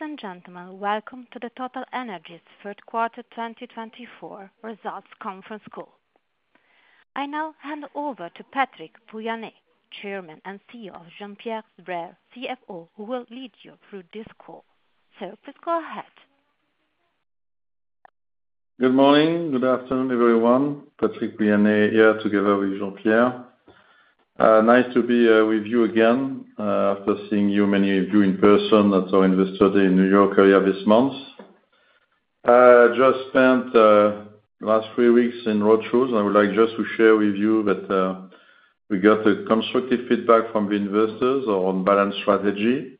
Ladies and gentlemen, welcome to the TotalEnergies third quarter 2024 results conference call. I now hand over to Patrick Pouyanné, Chairman and CEO, and Jean-Pierre Sbraire, CFO, who will lead you through this call. Sir, please go ahead. Good morning, good afternoon, everyone. Patrick Pouyanné here, together with Jean-Pierre. Nice to be with you again, after seeing you, many of you in person, at our Investor Day in New York this month. Just spent the last three weeks in roadshows, and I would like just to share with you that we got constructive feedback from the investors on balanced strategy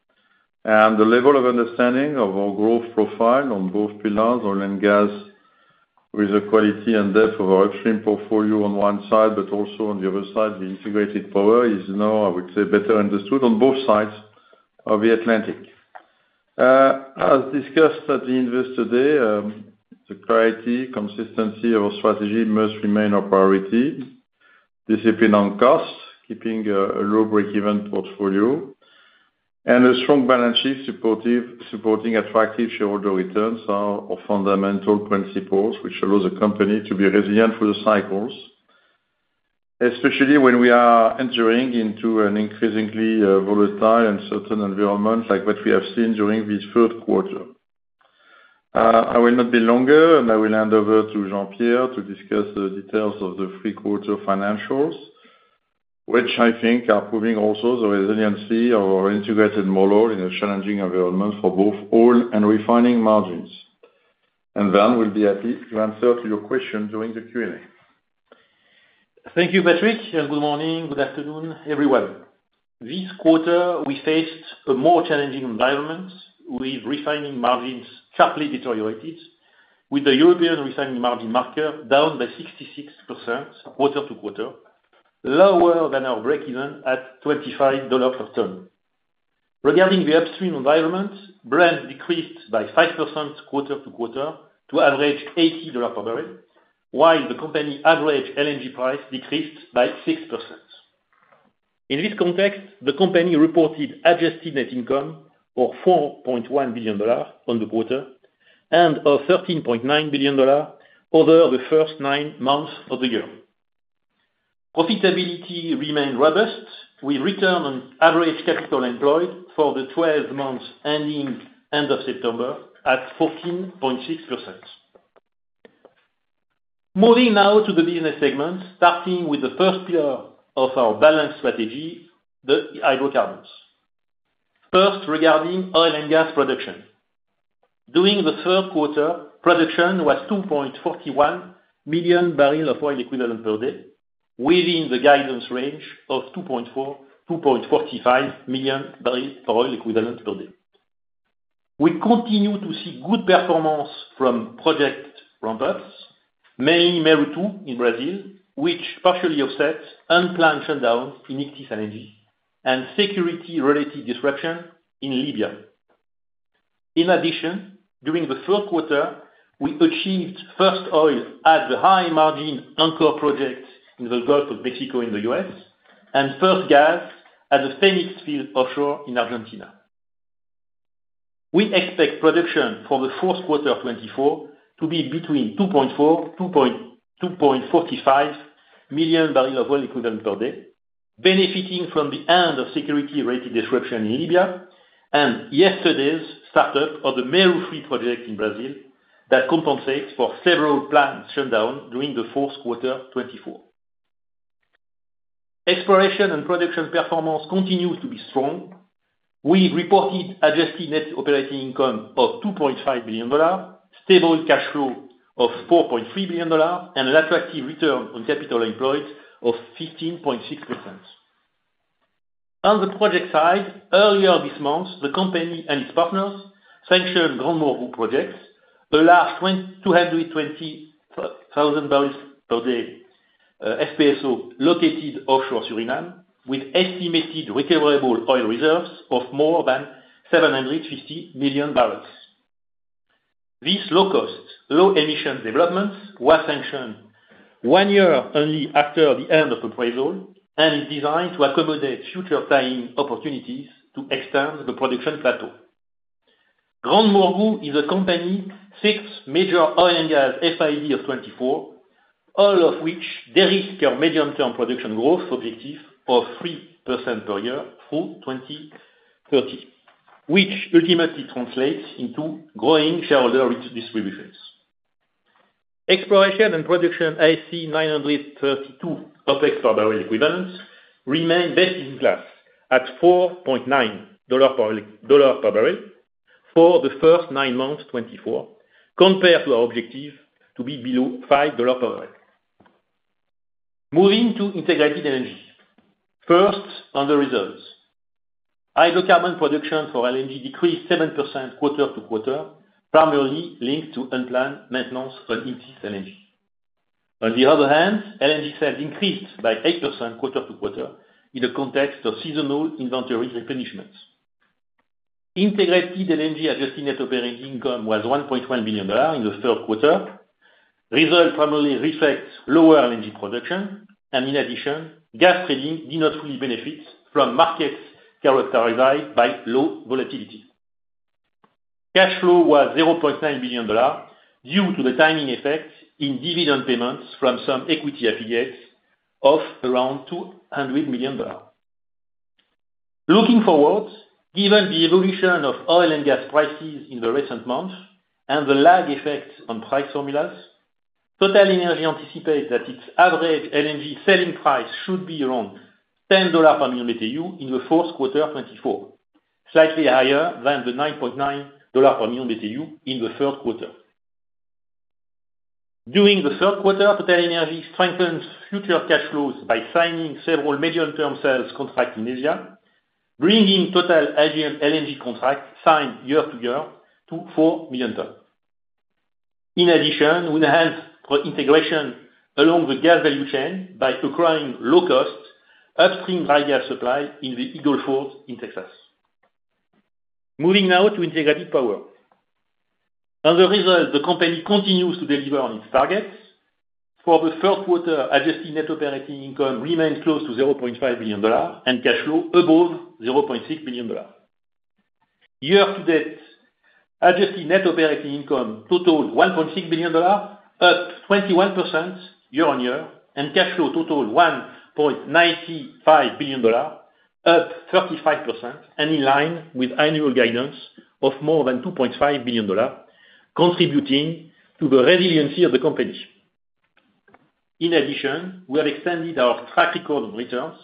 and the level of understanding of our growth profile on both pillars, oil and gas, with the quality and depth of our upstream portfolio on one side, but also on the other side, the Integrated Power is now, I would say, better understood on both sides of the Atlantic. As discussed at the Investor Day, the clarity, consistency of our strategy must remain our priority. Discipline on cost, keeping a low break-even portfolio, and a strong balance sheet supporting attractive shareholder returns are our fundamental principles, which allow the company to be resilient through the cycles, especially when we are entering into an increasingly volatile and uncertain environment like what we have seen during this third quarter. I will not be any longer, and I will hand over to Jean-Pierre to discuss the details of the third quarter financials, which I think are proving also the resiliency of our integrated model in a challenging environment for both oil and refining margins. And then we'll be happy to answer your questions during the Q&A. Thank you, Patrick, and good morning, good afternoon, everyone. This quarter, we faced a more challenging environment with refining margins sharply deteriorated, with the European refining margin marker down by 66% quarter to quarter, lower than our break-even at $25 per ton. Regarding the upstream environment, Brent decreased by 5% quarter to quarter to average $80 per barrel, while the company average LNG price decreased by 6%. In this context, the company reported adjusted net income of $4.1 billion on the quarter and of $13.9 billion over the first nine months of the year. Profitability remained robust, with return on average capital employed for the 12 months ending end of September at 14.6%. Moving now to the business segment, starting with the first pillar of our balanced strategy, the hydrocarbons. First, regarding oil and gas production, during the third quarter, production was 2.41 million barrels of oil equivalent per day, within the guidance range of 2.4 million-2.45 million barrels of oil equivalent per day. We continue to see good performance from project ramp-ups, mainly Mero 2 in Brazil, which partially offsets unplanned shutdowns in Ichthys LNG, and security-related disruption in Libya. In addition, during the third quarter, we achieved first oil at the high-margin Anchor project in the Gulf of Mexico in the U.S., and first gas at the Fenix field offshore in Argentina. We expect production for the fourth quarter 2024 to be between 2.4 million-2.45 million barrels of oil equivalent per day, benefiting from the end of security-related disruption in Libya and yesterday's startup of the Mero 2 project in Brazil that compensates for several planned shutdowns during the fourth quarter 2024. Exploration and production performance continues to be strong. We reported adjusted net operating income of $2.5 billion, stable cash flow of $4.3 billion, and an attractive return on capital employed of 15.6%. On the project side, earlier this month, the company and its partners sanctioned GranMorgu project, a large 220,000 barrels per day FPSO located offshore Suriname, with estimated recoverable oil reserves of more than 750 million barrels. These low-cost, low-emission developments were sanctioned one year only after the end of appraisal and are designed to accommodate future tying opportunities to extend the production plateau. GranMorgu is the company's sixth major oil and gas FID of 2024, all of which de-risk their medium-term production growth objective of 3% per year through 2030, which ultimately translates into growing shareholder distributions. Exploration and Production ASC 932 OPEX per barrel equivalents remain best in class at $4.9 per barrel for the first nine months 2024, compared to our objective to be below $5 per barrel. Moving to Integrated Energy. First, on the results, hydrocarbon production for LNG decreased 7% quarter to quarter, primarily linked to unplanned maintenance on Ichthys LNG. On the other hand, LNG sales increased by 8% quarter to quarter in the context of seasonal inventory replenishments. Integrated LNG adjusted net operating income was $1.1 billion in the third quarter. Results primarily reflect lower LNG production, and in addition, gas trading did not fully benefit from markets characterized by low volatility. Cash flow was $0.9 billion due to the timing effect in dividend payments from some equity affiliates of around $200 million. Looking forward, given the evolution of oil and gas prices in the recent months and the lag effect on price formulas, TotalEnergies anticipates that its average LNG selling price should be around $10 per million BTU in the fourth quarter 2024, slightly higher than the $9.9 per million BTU in the third quarter. During the third quarter, TotalEnergies strengthens future cash flows by signing several medium-term sales contracts in Asia, bringing total Asian LNG contracts signed year to year to 4 million tons. In addition, we enhance integration along the gas value chain by acquiring low-cost upstream dry gas supply in the Eagle Ford in Texas. Moving now to Integrated Power. On the result, the company continues to deliver on its targets. For the third quarter, adjusted net operating income remains close to $0.5 billion and cash flow above $0.6 billion. Year to date, adjusted net operating income totaled $1.6 billion, up 21% year on year, and cash flow totaled $1.95 billion, up 35%, and in line with annual guidance of more than $2.5 billion, contributing to the resiliency of the company. In addition, we have extended our track record of returns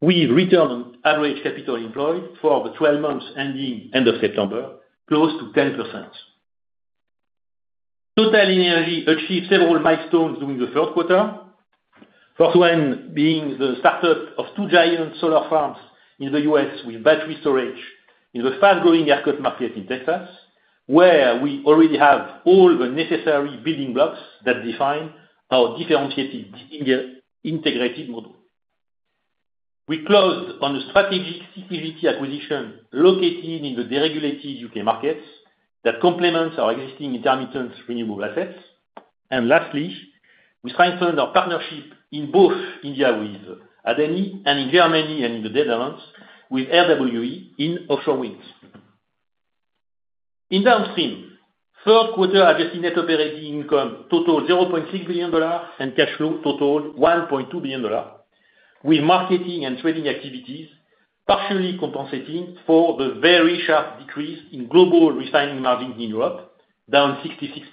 with return on average capital employed for the 12 months ending end of September, close to 10%. TotalEnergies achieved several milestones during the third quarter, for one being the startup of two giant solar farms in the U.S. with battery storage in the fast-growing ERCOT market in Texas, where we already have all the necessary building blocks that define our differentiated integrated model. We closed on a strategic CCGT acquisition located in the deregulated U.K. markets that complements our existing intermittent renewable assets. And lastly, we strengthened our partnership in both India with Adani and in Germany and in the Netherlands with RWE in offshore wind. In the upstream, third quarter adjusted net operating income totaled $0.6 billion and cash flow totaled $1.2 billion, with marketing and trading activities partially compensating for the very sharp decrease in global refining margins in Europe, down 66%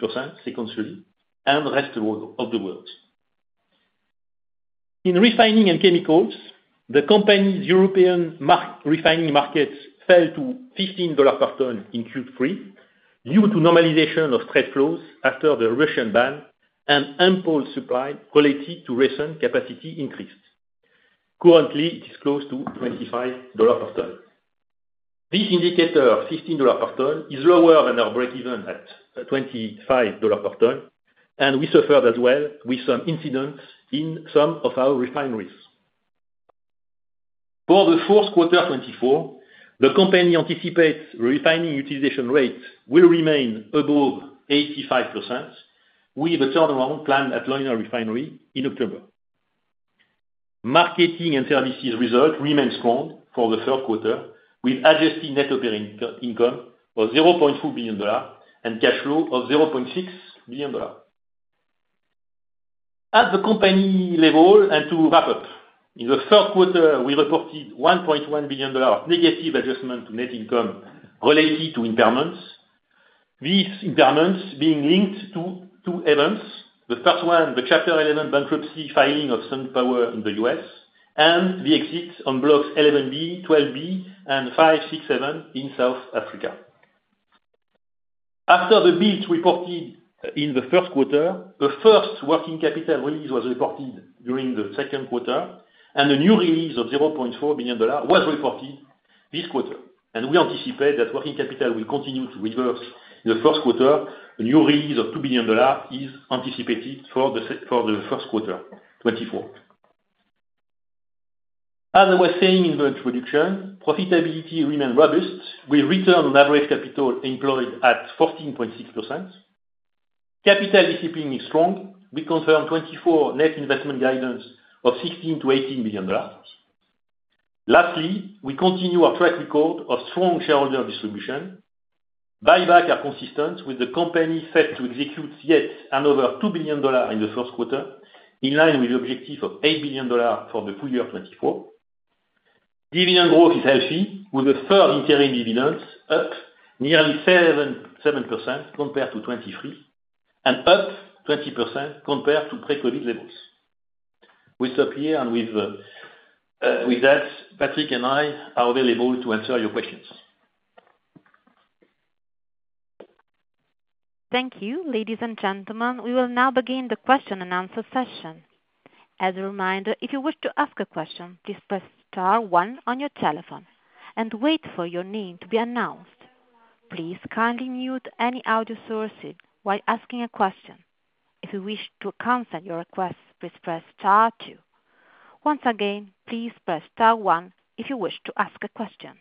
sequentially and rest of the world. In Refining and Chemicals, the company's European refining margins fell to $15 per ton in Q3 due to normalization of trade flows after the Russian ban and import supply related to recent capacity increase. Currently, it is close to $25 per ton. This indicator, $15 per ton, is lower than our break-even at $25 per ton, and we suffered as well with some incidents in some of our refineries. For the fourth quarter 2024, the company anticipates refining utilization rate will remain above 85%, with a turnaround planned at Leuna Refinery in October. Marketing and services result remains strong for the third quarter, with adjusted net operating income of $0.4 billion and cash flow of $0.6 billion. At the company level, and to wrap up, in the third quarter, we reported $1.1 billion negative adjustment to net income related to impairments, these impairments being linked to two events: the first one, the Chapter 11 bankruptcy filing of SunPower in the U.S., and the exit on Blocks 11B, 12B, and 5/6/7 in South Africa. After the build reported in the first quarter, a first working capital release was reported during the second quarter, and a new release of $0.4 billion was reported this quarter. We anticipate that working capital will continue to reverse in the first quarter. A new release of $2 billion is anticipated for the first quarter 2024. As I was saying in the introduction, profitability remained robust with return on average capital employed at 14.6%. Capital discipline is strong. We confirmed 2024 net investment guidance of $16 billion-$18 billion. Lastly, we continue our track record of strong shareholder distribution. Buyback is consistent with the company set to execute yet another $2 billion in the first quarter, in line with the objective of $8 billion for the full year 2024. Dividend growth is healthy, with the third-year dividends up nearly 7% compared to 2023 and up 20% compared to pre-COVID levels. We'll stop here, and with that, Patrick and I are available to answer your questions. Thank you, ladies and gentlemen. We will now begin the question and answer session. As a reminder, if you wish to ask a question, please press star one on your telephone and wait for your name to be announced. Please kindly mute any audio sources while asking a question. If you wish to cancel your request, please press star two. Once again, please press star one if you wish to ask a question.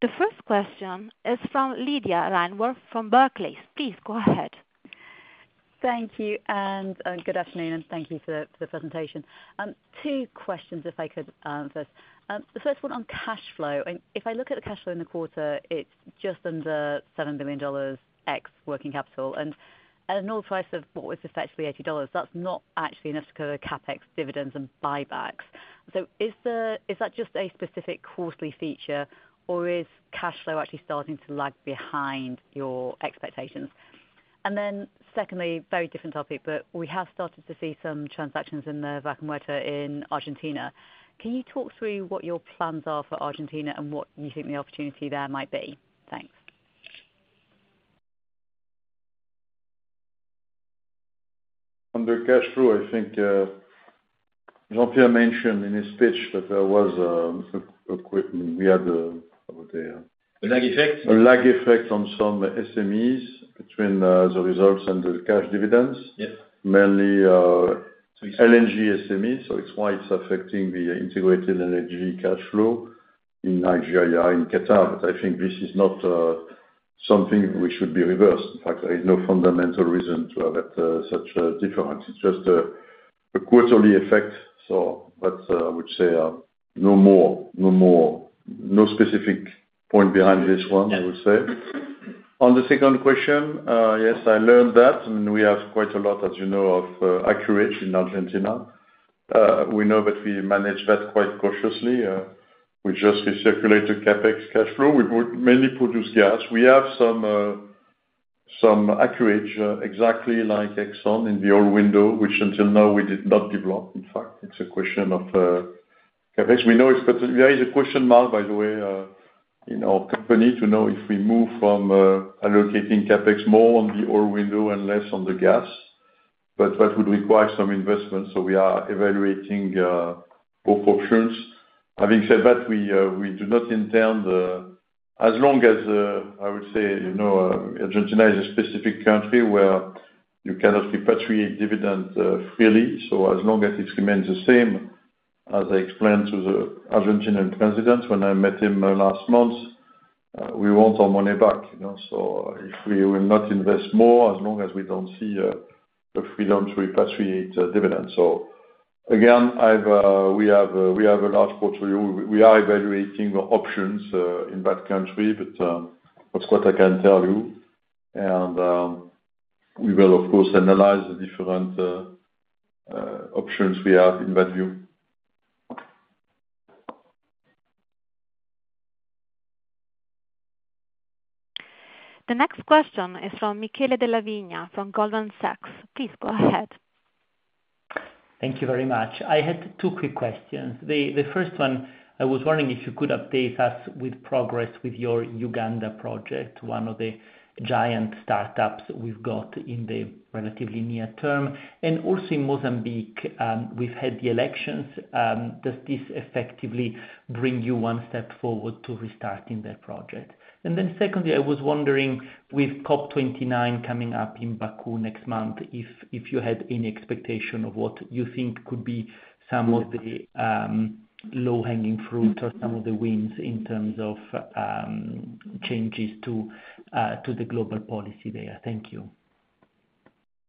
The first question is from Lydia Rainforth from Barclays. Please go ahead. Thank you, and good afternoon, and thank you for the presentation. Two questions, if I could answer. The first one on cash flow. If I look at the cash flow in the quarter, it's just under $7 billion ex working capital, and at a normal price of what was effectively $80, that's not actually enough to cover CapEx, dividends, and buybacks. So is that just a specific quarterly feature, or is cash flow actually starting to lag behind your expectations? And then secondly, very different topic, but we have started to see some transactions in the Vaca Muerta in Argentina. Can you talk through what your plans are for Argentina and what you think the opportunity there might be? Thanks. On the cash flow, I think Jean-Pierre mentioned in his pitch that there was a, we had a, what would they? A lag effect. A lag effect on some SMEs between the results and the cash dividends. Yes. Mainly LNG SMEs, so it's why it's affecting the Integrated Energy cash flow in Nigeria and Qatar, but I think this is not something which should be reversed. In fact, there is no fundamental reason to have such a difference. It's just a quarterly effect, so that's, I would say, no more no specific point behind this one, I would say. On the second question, yes, I learned that, and we have quite a lot, as you know, of acreage in Argentina. We know that we manage that quite cautiously. We just recirculate the CapEx cash flow. We mainly produce gas. We have some acreage exactly like Exxon in the oil window, which until now we did not develop. In fact, it's a question of CapEx. We know it's particularly, there is a question mark, by the way, in our company to know if we move from allocating CapEx more on the oil window and less on the gas, but that would require some investment. So we are evaluating both options. Having said that, we do not intend, as long as I would say, you know, Argentina is a specific country where you cannot repatriate dividends freely. So as long as it remains the same, as I explained to the Argentine president when I met him last month, we want our money back, you know. So if we will not invest more as long as we don't see the freedom to repatriate dividends. So again, we have a large portfolio. We are evaluating options in that country, but that's what I can tell you. We will, of course, analyze the different options we have in that view. The next question is from Michele Della Vigna from Goldman Sachs. Please go ahead. Thank you very much. I had two quick questions. The first one, I was wondering if you could update us with progress with your Uganda project, one of the giant startups we've got in the relatively near term. And also in Mozambique, we've had the elections. Does this effectively bring you one step forward to restarting that project? And then secondly, I was wondering, with COP29 coming up in Baku next month, if you had any expectation of what you think could be some of the low-hanging fruit or some of the wins in terms of changes to the global policy there. Thank you.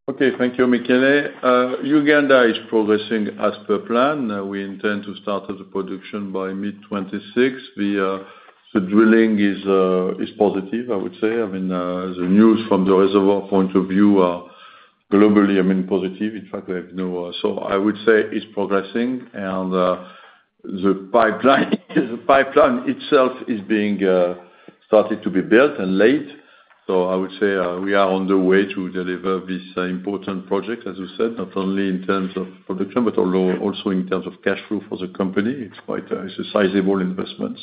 Okay, thank you, Michele. Uganda is progressing as per plan. We intend to start the production by mid-2026. The drilling is positive, I would say. I mean, the news from the reservoir point of view globally, I mean, positive. In fact, I would say it's progressing, and the pipeline itself is being started to be built and laid. So I would say we are on the way to deliver this important project, as you said, not only in terms of production, but also in terms of cash flow for the company. It's quite a sizable investment.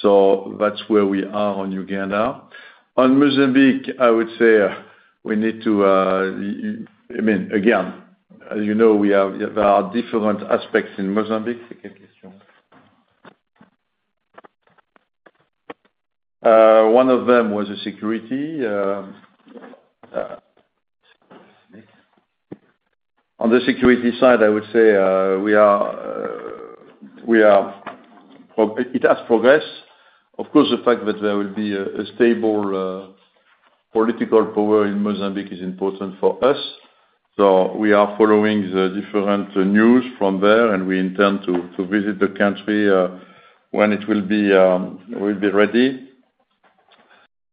So that's where we are on Uganda. On Mozambique, I would say—I mean, again, as you know, there are different aspects in Mozambique. One of them was the security. On the security side, I would say it has progressed. Of course, the fact that there will be a stable political power in Mozambique is important for us. So we are following the different news from there, and we intend to visit the country when it will be ready.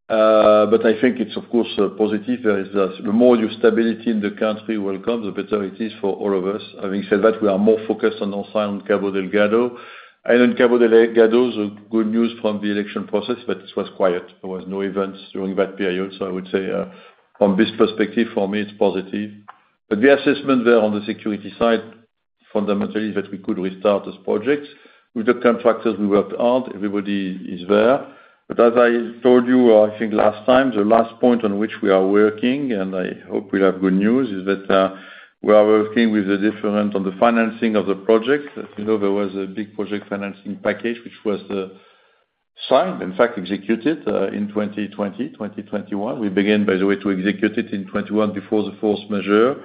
But I think it's, of course, positive. The more stability in the country will come, the better it is for all of us. Having said that, we are more focused on our side on Cabo Delgado. And on Cabo Delgado, the good news from the election process, but it was quiet. There were no events during that period. So I would say, from this perspective, for me, it's positive. But the assessment there on the security side, fundamentally, is that we could restart this project. With the contractors we worked on, everybody is there. But as I told you, I think last time, the last point on which we are working, and I hope we'll have good news, is that we are working with the different on the financing of the project. As you know, there was a big project financing package, which was signed, in fact, executed in 2020, 2021. We began, by the way, to execute it in 2021 before the force majeure.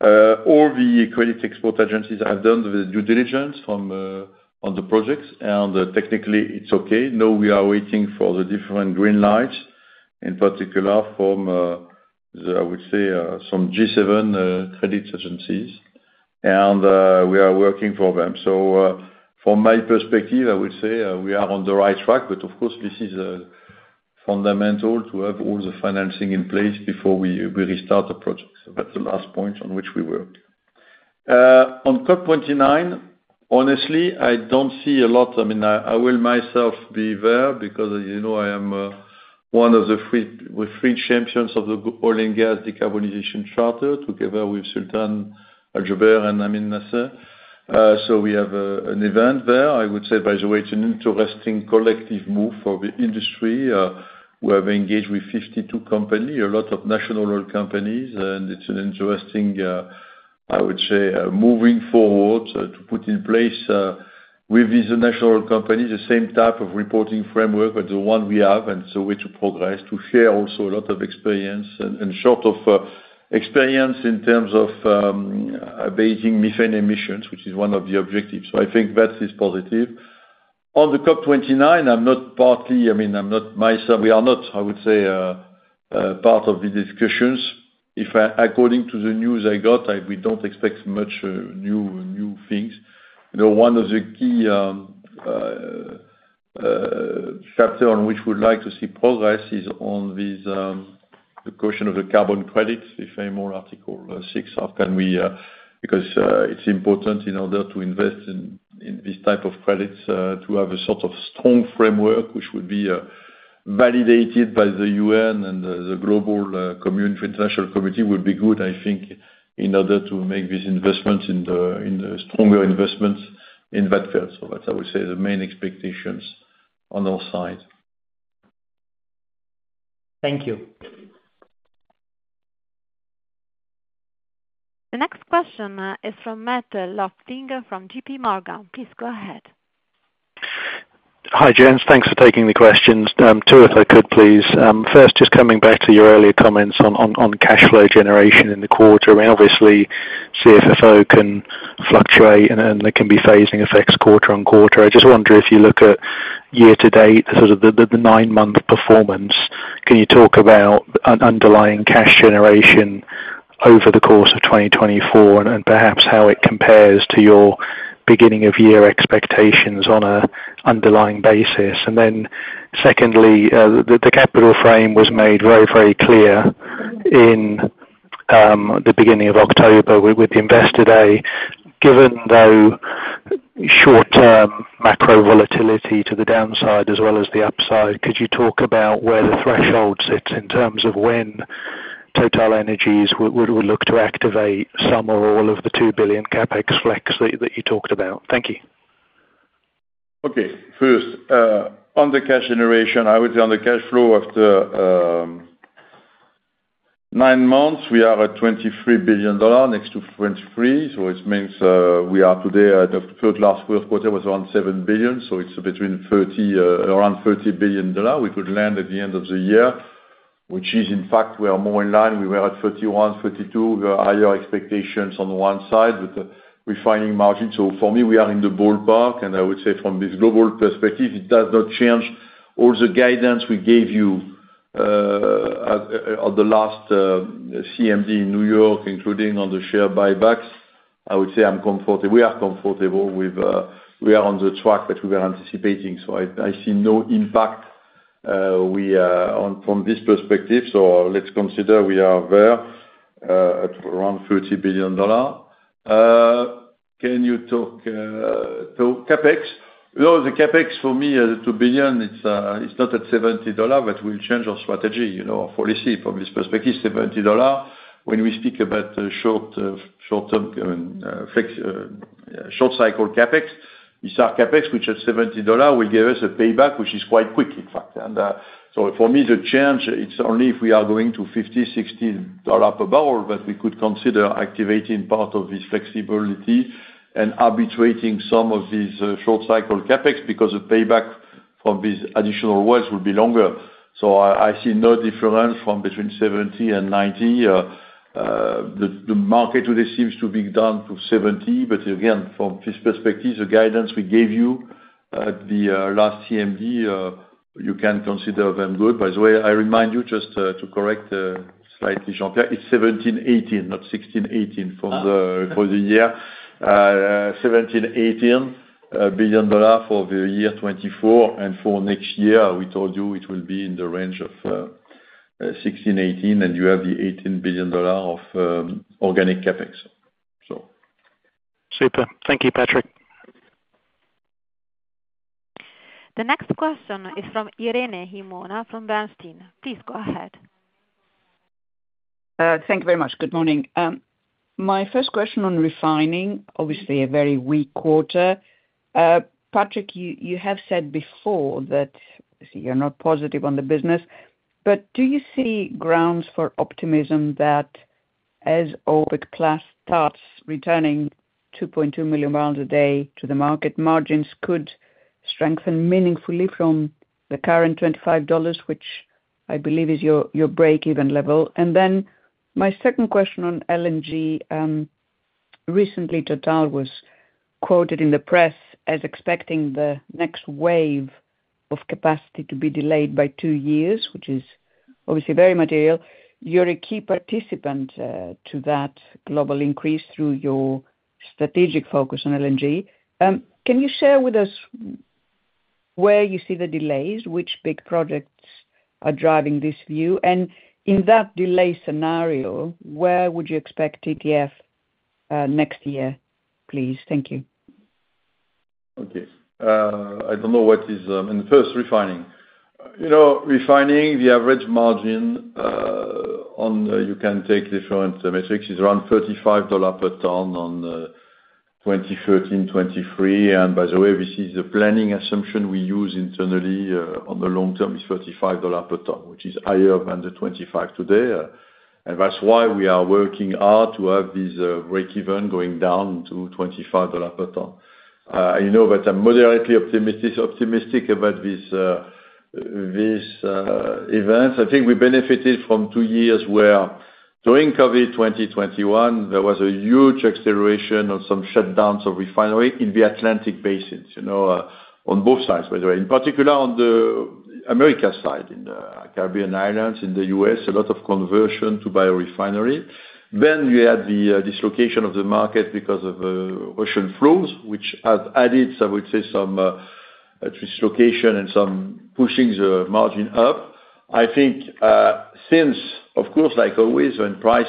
All the export credit agencies have done the due diligence on the projects, and technically, it's okay. Now we are waiting for the different green lights, in particular from, I would say, some G7 export credit agencies, and we are working for them. So from my perspective, I would say we are on the right track, but of course, this is fundamental to have all the financing in place before we restart the project. That's the last point on which we work. On COP29, honestly, I don't see a lot. I mean, I will myself be there because I am one of the three champions of the Oil and Gas Decarbonization Charter together with Sultan Al Jaber and Amin Nasser. So we have an event there. I would say, by the way, it's an interesting collective move for the industry. We have engaged with 52 companies, a lot of national oil companies, and it's an interesting, I would say, moving forward to put in place with these national oil companies the same type of reporting framework as the one we have, and it's a way to progress, to share also a lot of experience and sort of experience in terms of abating methane emissions, which is one of the objectives. So I think that is positive. On the COP29, I'm not partly—I mean, I'm not—we are not, I would say, part of the discussions. According to the news I got, we don't expect much new things. One of the key factors on which we'd like to see progress is on the question of the carbon credits, if any more Article 6, how can we—because it's important in order to invest in this type of credits to have a sort of strong framework, which would be validated by the UN and the global international committee would be good, I think, in order to make these investments in the stronger investments in that field. So that's, I would say, the main expectations on our side. Thank you. The next question is from Matt Lofting from JPMorgan. Please go ahead. Hi, James. Thanks for taking the questions. Two if I could, please. First, just coming back to your earlier comments on cash flow generation in the quarter. I mean, obviously, CFFO can fluctuate, and there can be phasing effects quarter on quarter. I just wonder if you look at year to date, sort of the nine-month performance, can you talk about underlying cash generation over the course of 2024, and perhaps how it compares to your beginning-of-year expectations on an underlying basis? And then secondly, the capital frame was made very, very clear in the beginning of October with Investor Day. Given though short-term macro volatility to the downside as well as the upside, could you talk about where the threshold sits in terms of when TotalEnergies would look to activate some or all of the $2 billion CapEx flex that you talked about? Thank you. Okay. First, on the cash generation, I would say on the cash flow after nine months, we are at $23 billion, next to 23. So it means we are today at the third quarter was around $7 billion. So it's between around $30 billion. We could land at the end of the year, which is in fact we are more in line. We were at 31, 32. We were higher expectations on one side with refining margin. So for me, we are in the ballpark, and I would say from this global perspective, it does not change all the guidance we gave you at the last CMD in New York, including on the share buybacks. I would say I'm comfortable. We are comfortable with we are on the track that we were anticipating. So I see no impact from this perspective. So, let's consider we are there at around $30 billion. Can you talk CapEx? No, the CapEx for me at $2 billion, it's not at $70, but we'll change our strategy, our policy. From this perspective, $70. When we speak about short-cycle CapEx, we start CapEx, which at $70 will give us a payback, which is quite quick, in fact. And so for me, the change, it's only if we are going to $50, $60 per barrel that we could consider activating part of this flexibility and arbitrating some of these short-cycle CapEx because the payback from these additional wells will be longer. So I see no difference between 70 and 90. The market today seems to be down to 70, but again, from this perspective, the guidance we gave you at the last CMD, you can consider them good. By the way, I remind you, just to correct slightly, Jean-Pierre, it's 17-18, not 16-18 for the year. $17 billion-$18 billion for the year 2024. And for next year, we told you it will be in the range of $16 billion-$18 billion, and you have the $18 billion of organic CapEx. Super. Thank you, Patrick. The next question is from Irene Himona from Bernstein. Please go ahead. Thank you very much. Good morning. My first question on refining, obviously a very weak quarter. Patrick, you have said before that you're not positive on the business, but do you see grounds for optimism that as OPEC+ starts returning 2.2 million barrels a day to the market, margins could strengthen meaningfully from the current $25, which I believe is your break-even level? And then my second question on LNG, recently Total was quoted in the press as expecting the next wave of capacity to be delayed by two years, which is obviously very material. You're a key participant to that global increase through your strategic focus on LNG. Can you share with us where you see the delays, which big projects are driving this view? And in that delay scenario, where would you expect TTF next year, please? Thank you. Okay. I don't know what it is, and first, refining. Refining, the average margin, on you can take different metrics, is around $35 per ton in 2013-2023. And by the way, this is the planning assumption we use internally on the long term is $35 per ton, which is higher than the $25 today. And that's why we are working hard to have this break-even going down to $25 per ton. I know that I'm moderately optimistic about these events. I think we benefited from two years where during COVID, 2021, there was a huge acceleration on some shutdowns of refinery in the Atlantic Basin, on both sides, by the way. In particular, on the America side, in the Caribbean Islands, in the U.S., a lot of conversion to biorefinery. Then you had the dislocation of the market because of ocean flows, which has added, I would say, some dislocation and some pushing the margin up. I think since, of course, like always, when price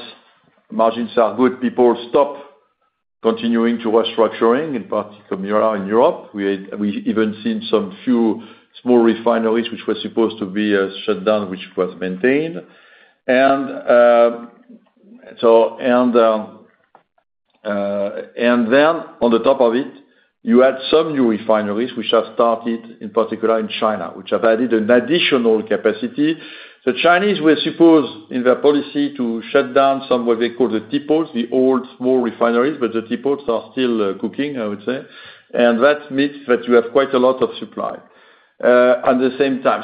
margins are good, people stop continuing to restructuring, in particular in Europe. We even seen some few small refineries which were supposed to be shut down, which were maintained. And then on the top of it, you had some new refineries which have started, in particular in China, which have added an additional capacity. The Chinese were supposed in their policy to shut down some what they call the teapots, the old small refineries, but the teapots are still cooking, I would say. And that means that you have quite a lot of supply at the same time.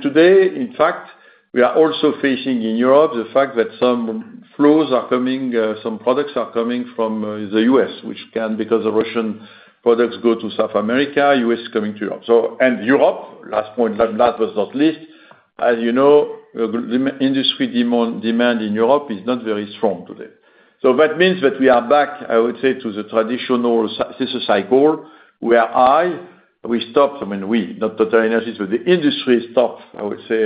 Today, in fact, we are also facing in Europe the fact that some flows are coming, some products are coming from the U.S., which can, because the Russian products go to South America, U.S. coming to Europe. Europe, last but not least, as you know, the industry demand in Europe is not very strong today. That means that we are back, I would say, to the traditional cycle where we stopped, I mean, not TotalEnergies, but the industry stopped, I would say,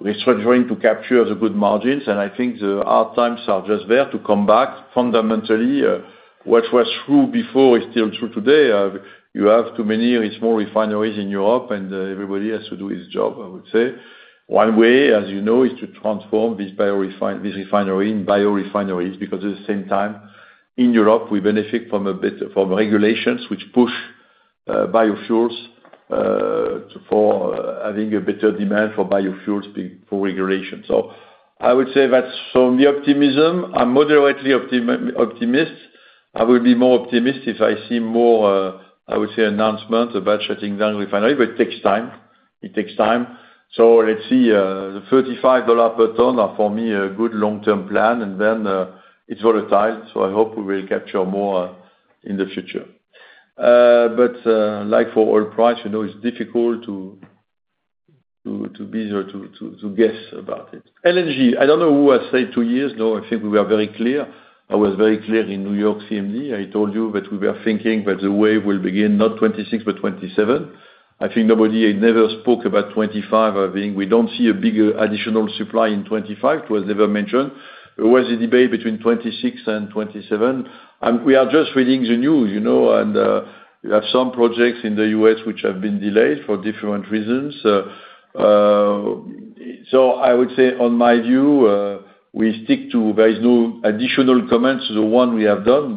restructuring to capture the good margins. I think the hard times are just there to come back. Fundamentally, what was true before is still true today. You have too many small refineries in Europe, and everybody has to do his job, I would say. One way, as you know, is to transform this refinery in biorefineries because at the same time, in Europe, we benefit from regulations which push biofuels for having a better demand for biofuels for regulation. So I would say that's from the optimism. I'm moderately optimistic. I will be more optimistic if I see more, I would say, announcements about shutting down refineries, but it takes time. It takes time. So let's see. The $35 per ton are for me a good long-term plan, and then it's volatile. So I hope we will capture more in the future. But like for oil price, it's difficult to be there to guess about it. LNG, I don't know who has said two years. No, I think we were very clear. I was very clear in New York CMD. I told you that we were thinking that the wave will begin not 2026, but 2027. I think nobody never spoke about 2025, having we don't see a big additional supply in 2025. It was never mentioned. There was a debate between 2026 and 2027. We are just reading the news, and you have some projects in the U.S. which have been delayed for different reasons. So I would say, in my view, we stick to there is no additional comments to the one we have done.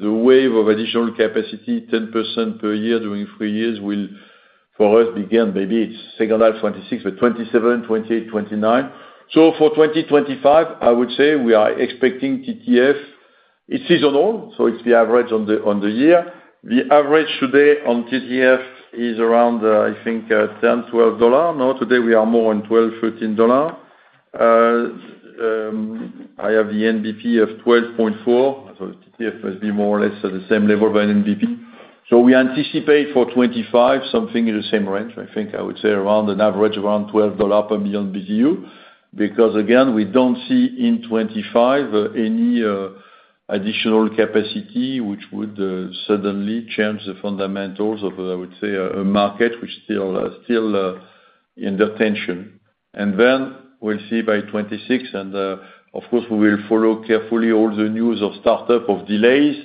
The wave of additional capacity, 10% per year during three years will for us begin maybe second half 2026, but 2027, 2028, 2029. So for 2025, I would say we are expecting TTF. It's seasonal, so it's the average on the year. The average today on TTF is around, I think, $10, $12. No, today we are more on $12, $13. I have the NBP of $12.40. TTF must be more or less at the same level as NBP. We anticipate for 2025 something in the same range. I think I would say around an average around $12 per million BTU because again we don't see in 2025 any additional capacity which would suddenly change the fundamentals of, I would say, a market which is still in tension. Then we'll see by 2026. Of course we will follow carefully all the news of startups or delays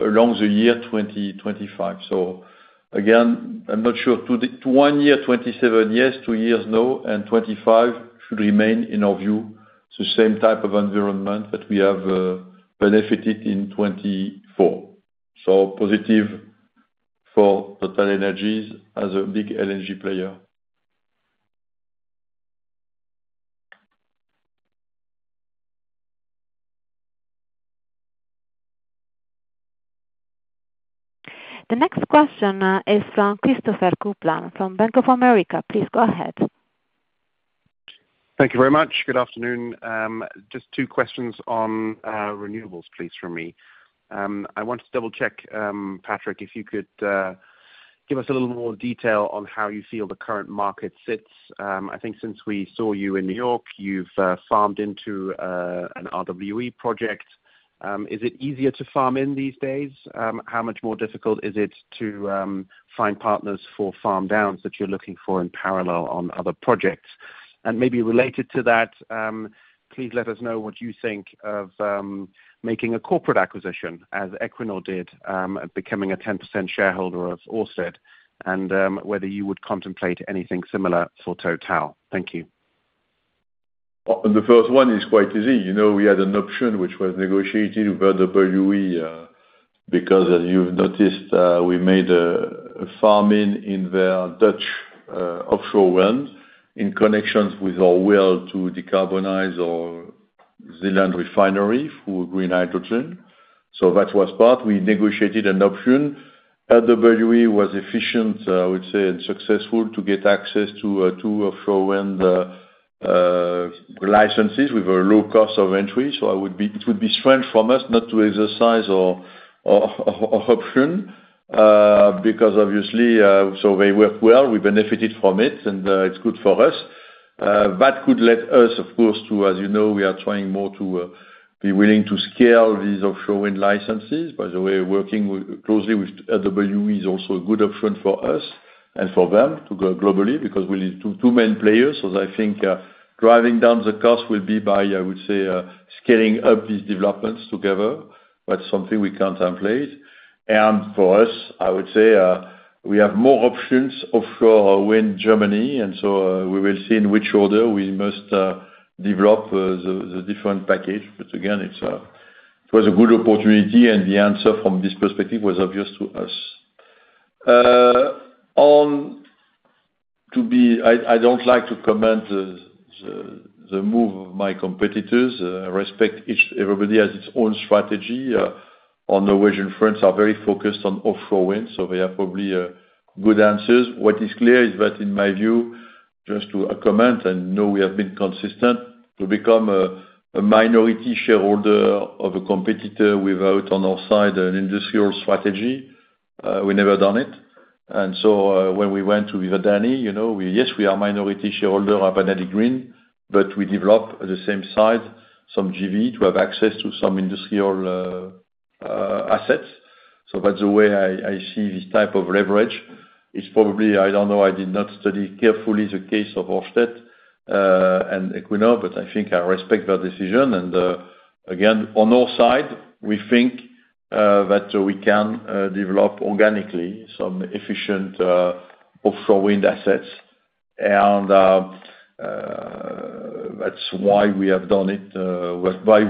along the year 2025. Again I'm not sure. To one year, 2027, yes. Two years, no. 2025 should remain, in our view, the same type of environment that we have benefited in 2024. It is positive for TotalEnergies as a big LNG player. The next question is from Christopher Kuplent from Bank of America. Please go ahead. Thank you very much. Good afternoon. Just two questions on renewables, please, from me. I want to double-check, Patrick, if you could give us a little more detail on how you feel the current market sits. I think since we saw you in New York, you've farmed into an RWE project. Is it easier to farm in these days? How much more difficult is it to find partners for farm downs that you're looking for in parallel on other projects? And maybe related to that, please let us know what you think of making a corporate acquisition as Equinor did, becoming a 10% shareholder of Ørsted and whether you would contemplate anything similar for Total. Thank you. The first one is quite easy. We had an option which was negotiated with RWE because, as you've noticed, we made a farm in their Dutch offshore wind in connection with our will to decarbonize our Zeeland refinery for green hydrogen. So that was part. We negotiated an option. RWE was efficient, I would say, and successful to get access to two offshore wind licenses with a low cost of entry. So it would be strange from us not to exercise our option because, obviously, so they worked well. We benefited from it, and it's good for us. That could let us, of course, to, as you know, we are trying more to be willing to scale these offshore wind licenses. By the way, working closely with RWE is also a good option for us and for them to go globally because we need two main players. So I think driving down the cost will be by, I would say, scaling up these developments together. That's something we can't template. And for us, I would say we have more options offshore wind Germany. And so we will see in which order we must develop the different package. But again, it was a good opportunity, and the answer from this perspective was obvious to us. I don't like to comment the move of my competitors. I respect everybody has its own strategy. On Norwegian fronts, they are very focused on offshore wind, so they have probably good answers. What is clear is that, in my view, just to comment, we have been consistent to become a minority shareholder of a competitor without, on our side, an industrial strategy. We never done it. And so when we went to with Adani, yes, we are a minority shareholder of Adani Green, but we developed on the same site some GW to have access to some industrial assets. So that's the way I see this type of leverage. It's probably, I don't know, I did not study carefully the case of Ørsted and Equinor, but I think I respect their decision. And again, on our side, we think that we can develop organically some efficient offshore wind assets. And that's why we have done it, why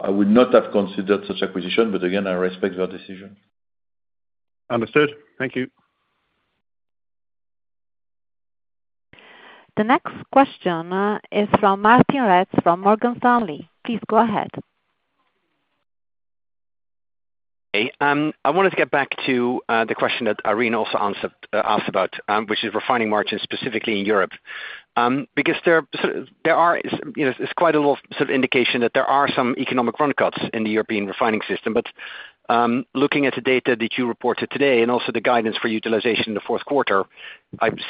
I would not have considered such acquisition, but again, I respect their decision. Understood. Thank you. The next question is from Martijn Rats from Morgan Stanley. Please go ahead. I wanted to get back to the question that Irene also asked about, which is refining margins specifically in Europe. Because there is quite a lot of indication that there are some economic run cuts in the European refining system, but looking at the data that you reported today and also the guidance for utilization in the fourth quarter,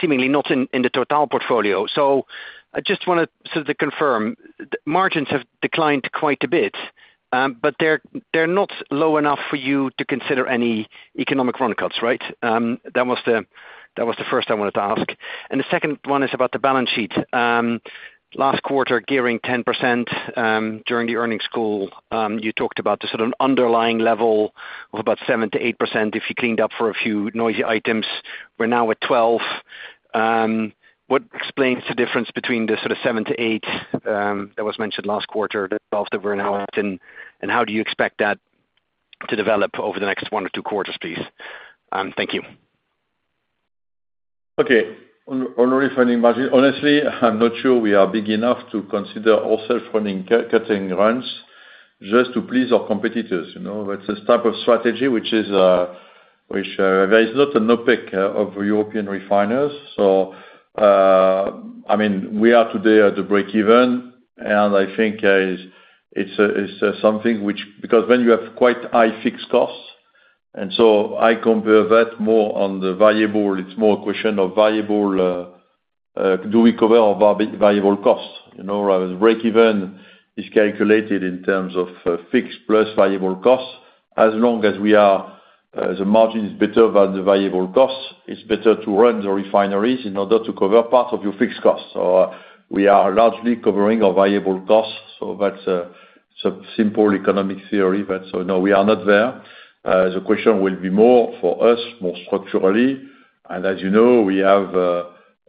seemingly not in the Total portfolio. So I just wanted to confirm, margins have declined quite a bit, but they're not low enough for you to consider any economic run cuts, right? That was the first I wanted to ask. And the second one is about the balance sheet. Last quarter, gearing 10% during the earnings call, you talked about the sort of underlying level of about 7%-8% if you cleaned up for a few noisy items. We're now at 12%. What explains the difference between the sort of 7% to 8% that was mentioned last quarter, the 12 that we're now at, and how do you expect that to develop over the next one or two quarters, please? Thank you. Okay. On refining margins, honestly, I'm not sure we are big enough to consider ourselves running cutting runs just to please our competitors. That's the type of strategy which is, there is not an OPEC of European refiners. So I mean, we are today at the break-even, and I think it's something which, because then you have quite high fixed costs. And so I compare that more on the variable. It's more a question of variable: do we cover our variable costs. Break-even is calculated in terms of fixed plus variable costs. As long as the margin is better than the variable costs, it's better to run the refineries in order to cover part of your fixed costs. So we are largely covering our variable costs. So that's a simple economic theory. So no, we are not there. The question will be more for us, more structurally. And as you know, we have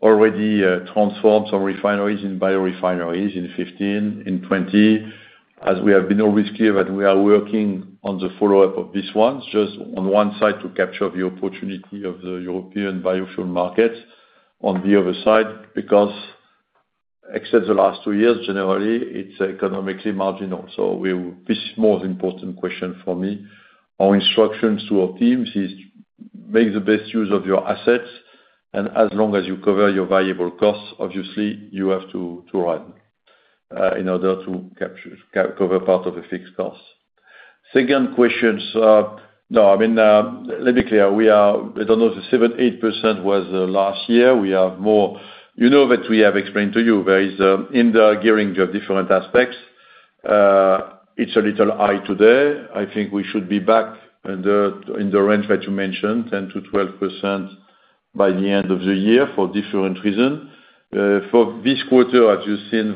already transformed some refineries into biorefineries in 2015, in 2020, as we have been always clear that we are working on the follow-up of these ones, just on one side to capture the opportunity of the European biofuel markets, on the other side, because except the last two years, generally, it's economically marginal. So this is the most important question for me. Our instructions to our teams is make the best use of your assets. And as long as you cover your variable costs, obviously, you have to run in order to cover part of the fixed costs. Second question. No, I mean, let me be clear. I don't know if the 7%-8% was last year. You know that we have explained to you. In the gearing, you have different aspects. It's a little high today. I think we should be back in the range that you mentioned, 10%-12% by the end of the year for different reasons. For this quarter, as you've seen,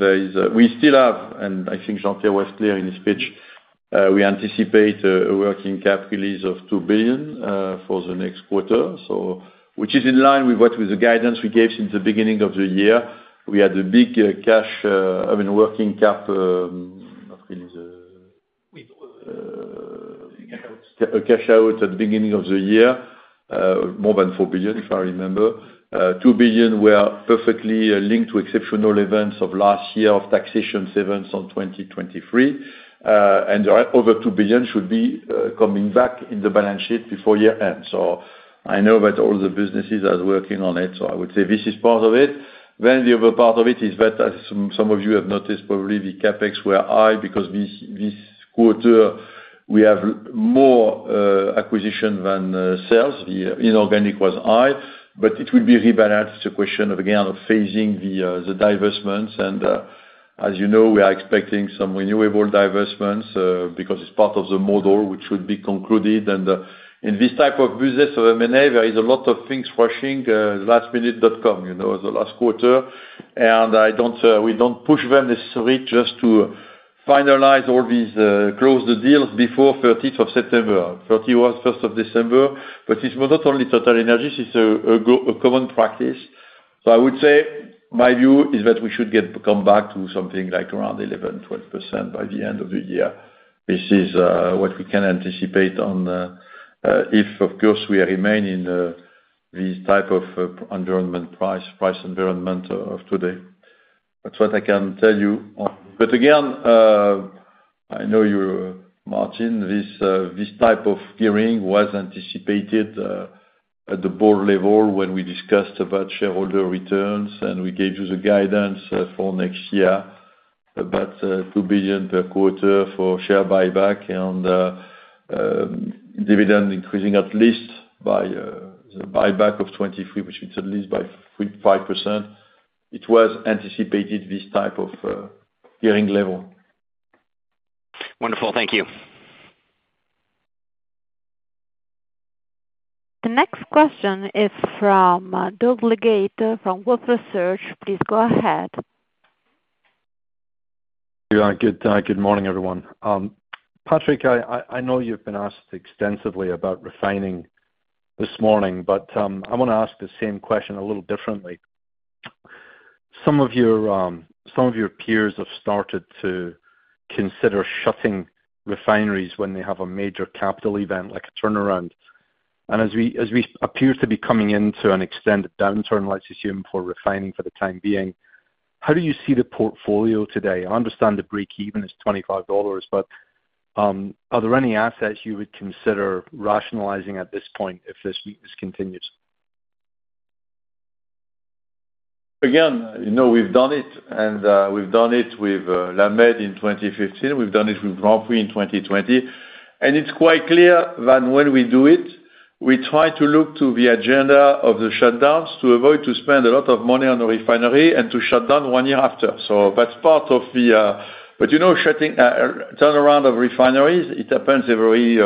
we still have, and I think Jean-Pierre was clear in his pitch, we anticipate a working cap release of 2 billion for the next quarter, which is in line with what was the guidance we gave since the beginning of the year. We had a big cash, I mean, working cap, not really the cash out at the beginning of the year, more than 4 billion, if I remember. 2 billion were perfectly linked to exceptional events of last year, of taxation events on 2023. And over 2 billion should be coming back in the balance sheet before year-end. So I know that all the businesses are working on it. So I would say this is part of it. Then the other part of it is that, as some of you have noticed, probably the CapEx were high because this quarter, we have more acquisition than sales. The inorganic was high, but it will be rebalanced. It's a question of, again, of phasing the divestments. And as you know, we are expecting some renewable divestments because it's part of the model which should be concluded. And in this type of business of M&A, there is a lot of things rushing, last-minute.com, the last quarter. And we don't push them necessarily just to finalize all these, close the deals before 30th of September, 31st of December. But it's not only TotalEnergies, it's a common practice. So I would say my view is that we should come back to something like around 11%-12% by the end of the year. This is what we can anticipate if, of course, we remain in this type of environment, price environment of today. That's what I can tell you. But again, I know you, Martin. This type of gearing was anticipated at the board level when we discussed about shareholder returns, and we gave you the guidance for next year, about $2 billion per quarter for share buyback and dividend increasing at least by the buyback of 2023, which is at least by 5%. It was anticipated this type of gearing level. Wonderful. Thank you. The next question is from Doug Legate from Wolfe Research. Please go ahead. Good morning, everyone. Patrick, I know you've been asked extensively about refining this morning, but I want to ask the same question a little differently. Some of your peers have started to consider shutting refineries when they have a major capital event like a turnaround. And as we appear to be coming into an extended downturn, I assume, for refining for the time being, how do you see the portfolio today? I understand the break-even is $25, but are there any assets you would consider rationalizing at this point if this weakness continues? Again, we've done it, and we've done it with La Mède in 2015. We've done it with Grandpuits in 2020. And it's quite clear that when we do it, we try to look to the agenda of the shutdowns to avoid spending a lot of money on the refinery and to shut down one year after. So that's part of the budget, you know, shutdown turnaround of refineries. It happens every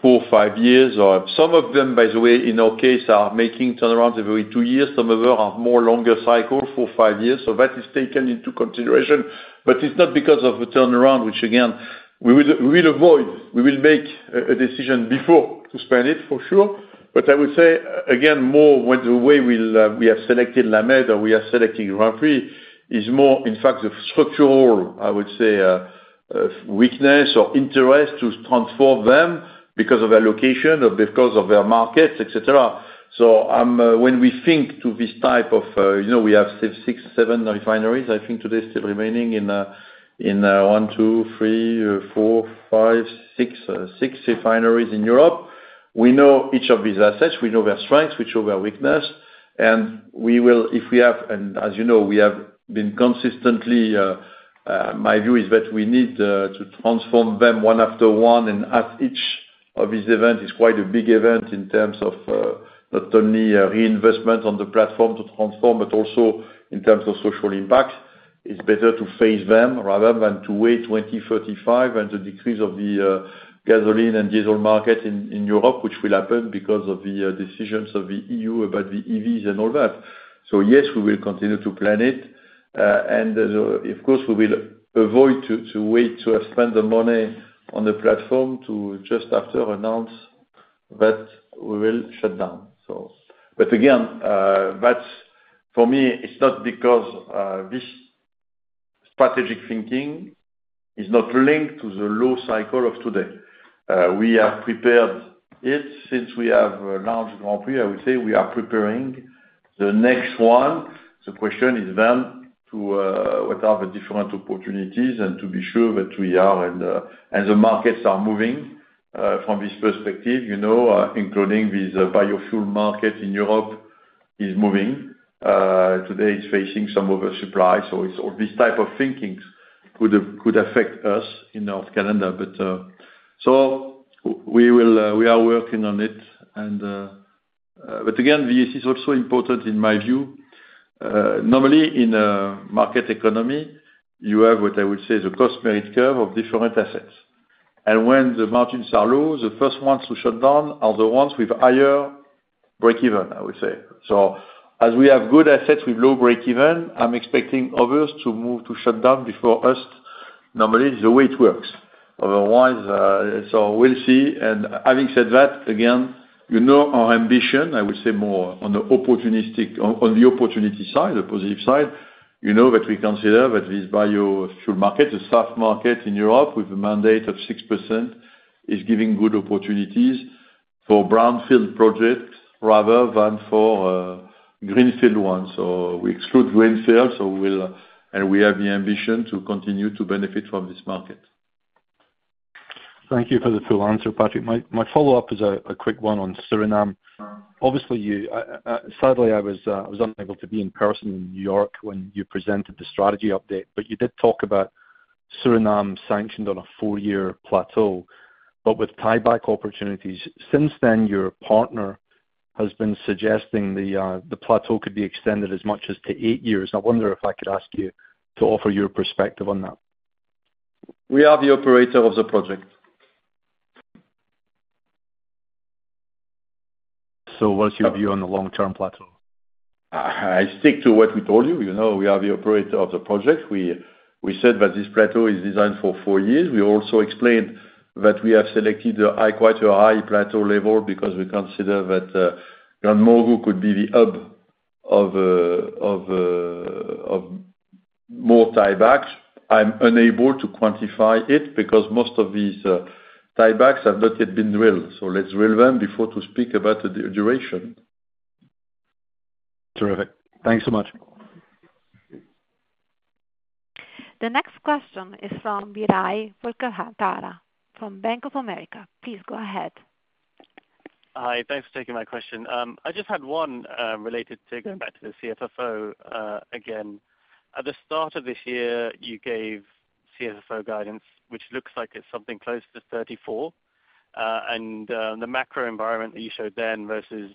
four, five years. Some of them, by the way, in our case, are making turnarounds every two years. Some of them have much longer cycles, four, five years. So that is taken into consideration. But it's not because of a turnaround, which, again, we will avoid. We will make a decision before to spend it, for sure. But I would say, again, more the way we have selected La Mède or we are selecting Grandpuits is more, in fact, the structural, I would say, weakness or interest to transform them because of their location, because of their markets, etc. So when we think to this type of we have six, seven refineries. I think today still remaining in one, two, three, four, five, six refineries in Europe. We know each of these assets. We know their strengths. We show their weakness. And if we have and as you know, we have been consistently my view is that we need to transform them one after one and at each of these events is quite a big event in terms of not only reinvestment on the platform to transform, but also in terms of social impact. It's better to phase them rather than to wait 2035 and the decrease of the gasoline and diesel market in Europe, which will happen because of the decisions of the EU about the EVs and all that. So yes, we will continue to plan it. And of course, we will avoid to wait to spend the money on the platform to just after announce that we will shut down. But again, for me, it's not because this strategic thinking is not linked to the low cycle of today. We have prepared it since we have a large grand plan, I would say. We are preparing the next one. The question is then to what are the different opportunities and to be sure that we are and the markets are moving from this perspective, including this biofuel market in Europe is moving. Today, it's facing some oversupply. This type of thinking could affect us in Normandy. We are working on it. But again, this is also important in my view. Normally, in a market economy, you have what I would say is a cost merit curve of different assets. And when the margins are low, the first ones to shut down are the ones with higher break-even, I would say. So as we have good assets with low break-even, I'm expecting others to move to shut down before us. Normally, it's the way it works. Otherwise, so we'll see. And having said that, again, our ambition, I would say, more on the opportunistic, on the opportunity side, the positive side, that we consider that this biofuel market, the soft market in Europe with a mandate of 6%, is giving good opportunities for brownfield projects rather than for greenfield ones. We exclude greenfield, and we have the ambition to continue to benefit from this market. Thank you for the full answer, Patrick. My follow-up is a quick one on Suriname. Obviously, sadly, I was unable to be in person in New York when you presented the strategy update, but you did talk about Suriname sanctioned on a four-year plateau, but with tieback opportunities. Since then, your partner has been suggesting the plateau could be extended as much as to eight years. I wonder if I could ask you to offer your perspective on that. We are the operator of the project. What's your view on the long-term plateau? I stick to what we told you. We are the operator of the project. We said that this plateau is designed for four years. We also explained that we have selected quite a high plateau level because we consider that GranMorgu could be the hub of more tiebacks. I'm unable to quantify it because most of these tiebacks have not yet been drilled. So let's drill them before to speak about the duration. Terrific. Thanks so much. The next question is from Biraj Borkhataria from RBC Capital Markets. Please go ahead. Hi. Thanks for taking my question. I just had one related to going back to the CFFO again. At the start of this year, you gave CFFO guidance, which looks like it's something close to $34 billion, and the macro environment that you showed then versus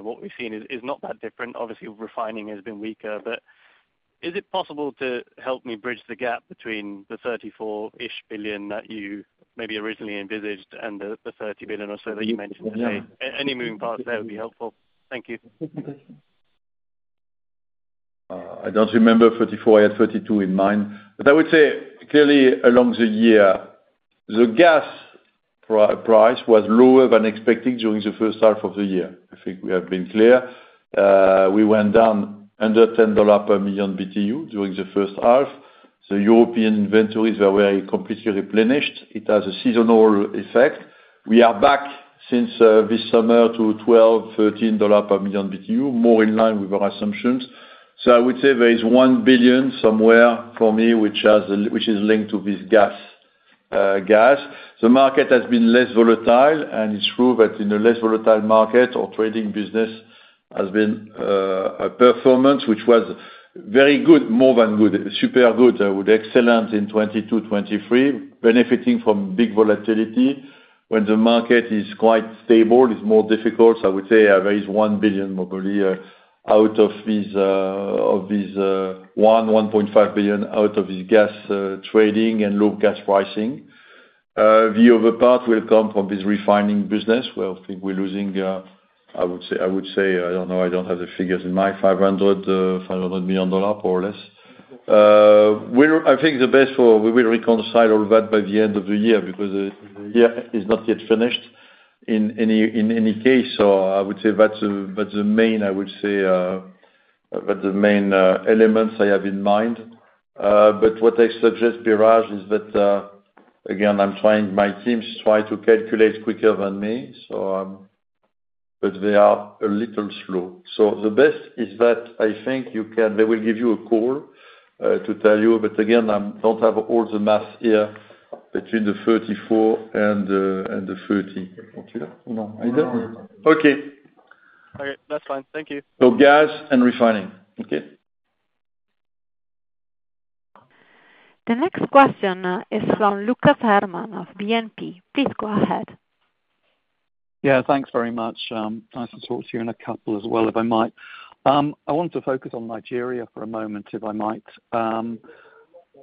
what we've seen is not that different. Obviously, refining has been weaker, but is it possible to help me bridge the gap between the $34 billion-ish that you maybe originally envisaged and the $30 billion or so that you mentioned today? Any moving parts there would be helpful. Thank you. I don't remember $34 billion. I had $32 billion in mind. But I would say clearly, along the year, the gas price was lower than expected during the first half of the year. I think we have been clear. We went down under $10 per million BTU during the first half. The European inventories were completely replenished. It has a seasonal effect. We are back since this summer to $12, $13 per million BTU, more in line with our assumptions. So I would say there is $1 billion somewhere for me, which is linked to this gas. The market has been less volatile, and it's true that in a less volatile market, our trading business has been a performance which was very good, more than good, super good, with excellent in 2022, 2023, benefiting from big volatility. When the market is quite stable, it's more difficult. I would say there is one billion probably out of this one, $1.5 billion out of this gas trading and low gas pricing. The other part will come from this refining business, where I think we're losing, I would say, I don't know, I don't have the figures in mind, $500 million, more or less. I think the best for we will reconcile all that by the end of the year because the year is not yet finished in any case. So I would say that's the main, I would say, that's the main elements I have in mind. But what I suggest, Biraj, is that, again, I'm trying my teams try to calculate quicker than me, but they are a little slow. So the best is that I think you can they will give you a call to tell you. But again, I don't have all the math here between the $34 billion and the $30 billion. Okay. That's fine. Thank you. So gas and refining. Okay. The next question is from Lucas Herrmann of BNP. Please go ahead. Yeah, thanks very much. Nice to talk to you in a couple as well, if I might. I want to focus on Nigeria for a moment, if I might.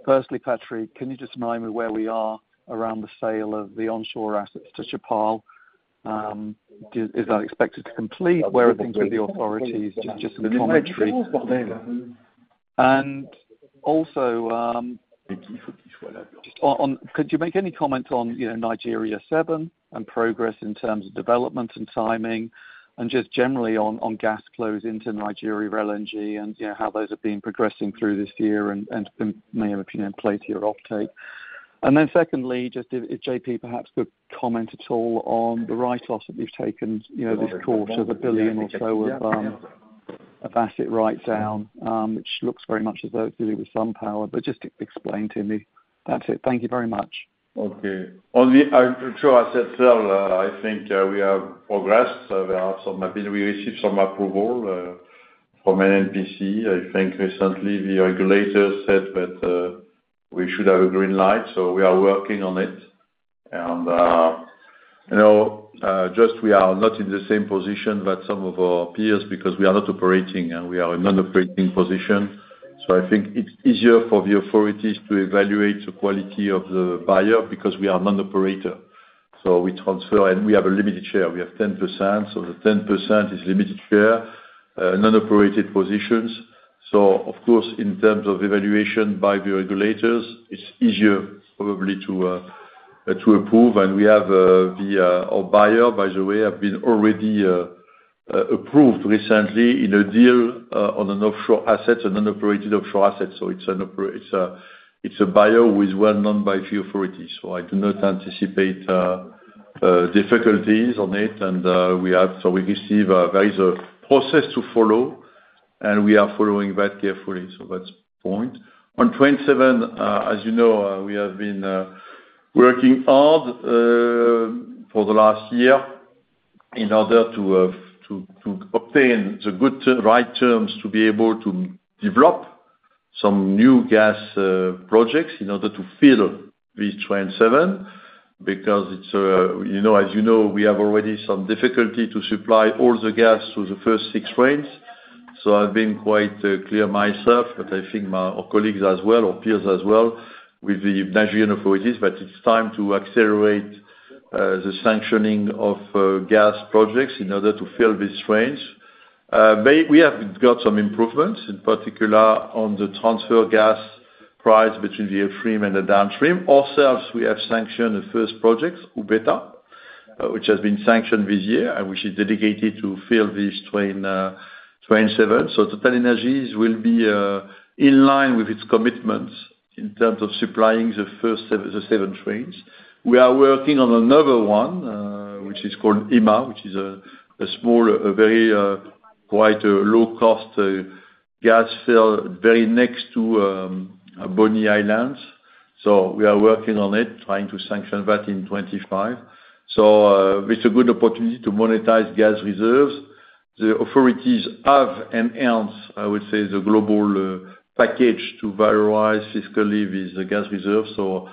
Firstly, Patrick, can you just remind me where we are around the sale of the onshore assets to Chappal Energies? Is that expected to complete? Where are things with the authorities? Just a commentary. And also, could you make any comment on Nigeria 7 and progress in terms of development and timing, and just generally on gas flows into Nigeria LNG and how those have been progressing through this year and may have played to your uptake? And then secondly, just if JP perhaps could comment at all on the write-offs that you've taken this quarter of $1 billion or so of asset write-down, which looks very much as though it's dealing with SunPower. But just explain to me. That's it. Thank you very much. Okay. On the onshore asset sale, I think we have progressed. We have received some approval from NNPC. I think recently the regulator said that we should have a green light, so we are working on it, and just we are not in the same position that some of our peers because we are not operating. We are in non-operating position, so I think it's easier for the authorities to evaluate the quality of the buyer because we are a non-operator. So we transfer and we have a limited share. We have 10%. So the 10% is limited share, non-operated positions. So of course, in terms of evaluation by the regulators, it's easier probably to approve, and we have the buyer, by the way, have been already approved recently in a deal on an offshore asset, a non-operated offshore asset. So it's a buyer who is well known by the authorities. So I do not anticipate difficulties on it. And we have, so we receive a very strict process to follow, and we are following that carefully. So that's one point. On Train 7, as you know, we have been working hard for the last year in order to obtain the right terms to be able to develop some new gas projects in order to fill this Train 7 because, as you know, we have already some difficulty to supply all the gas to the first six trains. So I've been quite clear myself, but I think my colleagues as well, or peers as well, with the Nigerian authorities, that it's time to accelerate the sanctioning of gas projects in order to fill these trains. We have got some improvements, in particular on the transfer gas price between the upstream and the downstream. Ourselves, we have sanctioned the first project, Ubeta, which has been sanctioned this year, which is dedicated to fill this Train 7, so TotalEnergies will be in line with its commitments in terms of supplying the first seven trains. We are working on another one, which is called Ima, which is a small, very quite low-cost gas field, very next to Bonny Island, so we are working on it, trying to sanction that in 2025, so it's a good opportunity to monetize gas reserves. The authorities have enhanced, I would say, the global package to valorize fiscally with the gas reserves, so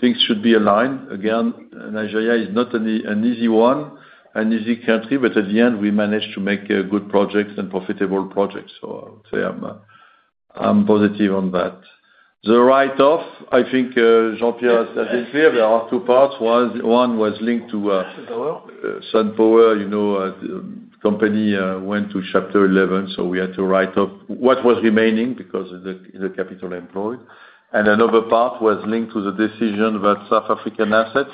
things should be aligned. Again, Nigeria is not an easy one, an easy country, but at the end, we managed to make good projects and profitable projects. So I would say I'm positive on that. The write-off, I think Jean-Pierre has been clear. There are two parts. One was linked to SunPower. The company went to Chapter 11, so we had to write off what was remaining because of the capital employed. And another part was linked to the decision about South African assets,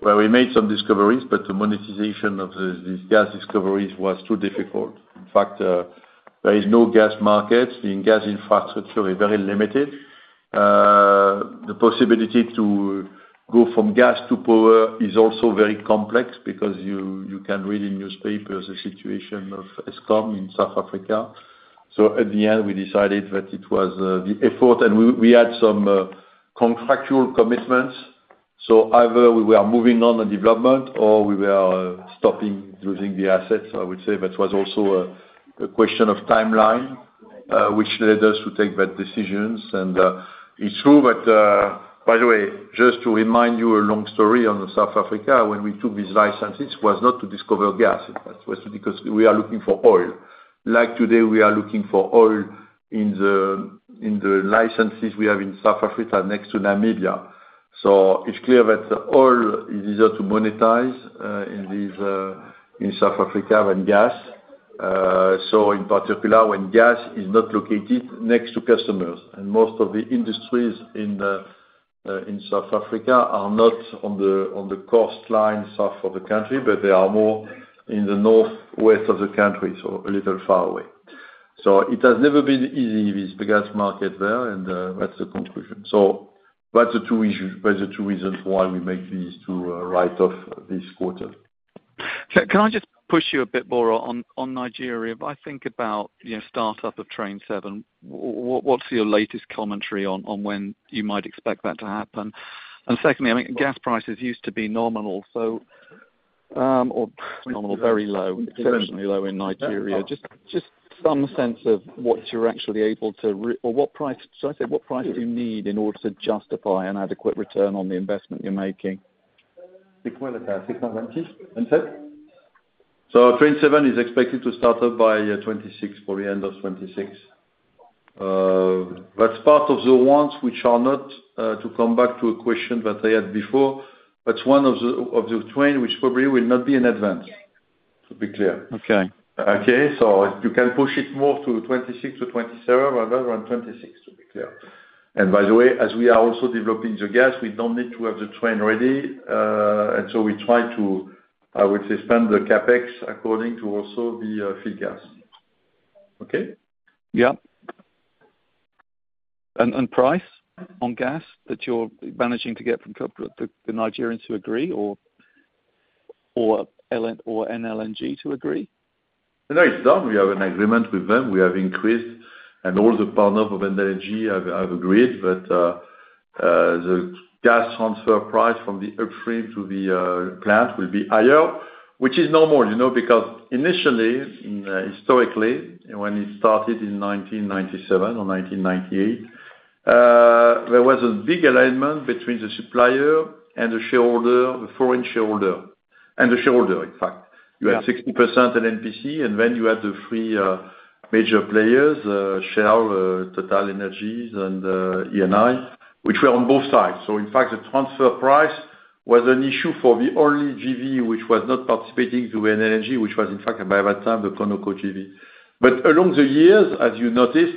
where we made some discoveries, but the monetization of these gas discoveries was too difficult. In fact, there is no gas market. The gas infrastructure is very limited. The possibility to go from gas to power is also very complex because you can read in newspapers the situation at Eskom in South Africa. So at the end, we decided that it was the effort, and we had some contractual commitments. So either we were moving on the development or we were stopping using the assets. I would say that was also a question of timeline, which led us to take bad decisions, and it's true that, by the way, just to remind you a long story on South Africa, when we took these licenses, it was not to discover gas. It was because we are looking for oil. Like today, we are looking for oil in the licenses we have in South Africa next to Namibia, so it's clear that oil is easier to monetize in South Africa than gas, so in particular, when gas is not located next to customers, and most of the industries in South Africa are not on the coastline south of the country, but they are more in the northwest of the country, so a little far away, so it has never been easy with the gas market there, and that's the conclusion. So that's the two reasons why we make these two write-offs this quarter. Can I just push you a bit more on Nigeria? If I think about startup of Train 7, what's your latest commentary on when you might expect that to happen? And secondly, I mean, gas prices used to be nominal, or nominal, very low, exceptionally low in Nigeria. Just some sense of what you're actually able to or what price should I say? What price do you need in order to justify an adequate return on the investment you're making? Train 7 is expected to start up by 2026, probably end of 2026. That's part of the ones which are not to come back to a question that I had before. That's one of the trains which probably will not be in advance, to be clear. Okay. Okay? So you can push it more to 2026 to 2027 rather than 2026, to be clear. And by the way, as we are also developing the gas, we don't need to have the train ready. And so we try to, I would say, spend the CapEx according to also the fuel gas. Okay? Yeah. And price on gas that you're managing to get from the Nigerians to agree or NLNG to agree? No, it's done. We have an agreement with them. We have increased, and all the partners of NLNG have agreed that the gas transfer price from the upstream to the plant will be higher, which is normal because initially, historically, when it started in 1997 or 1998, there was a big alignment between the supplier and the shareholder, the foreign shareholder. And the shareholder, in fact. You had 60% NNPC, and then you had the three major players, Shell, TotalEnergies, and Eni, which were on both sides. So in fact, the transfer price was an issue for the only JV which was not participating in NLNG, which was in fact by that time the Conoco JV. But along the years, as you noticed,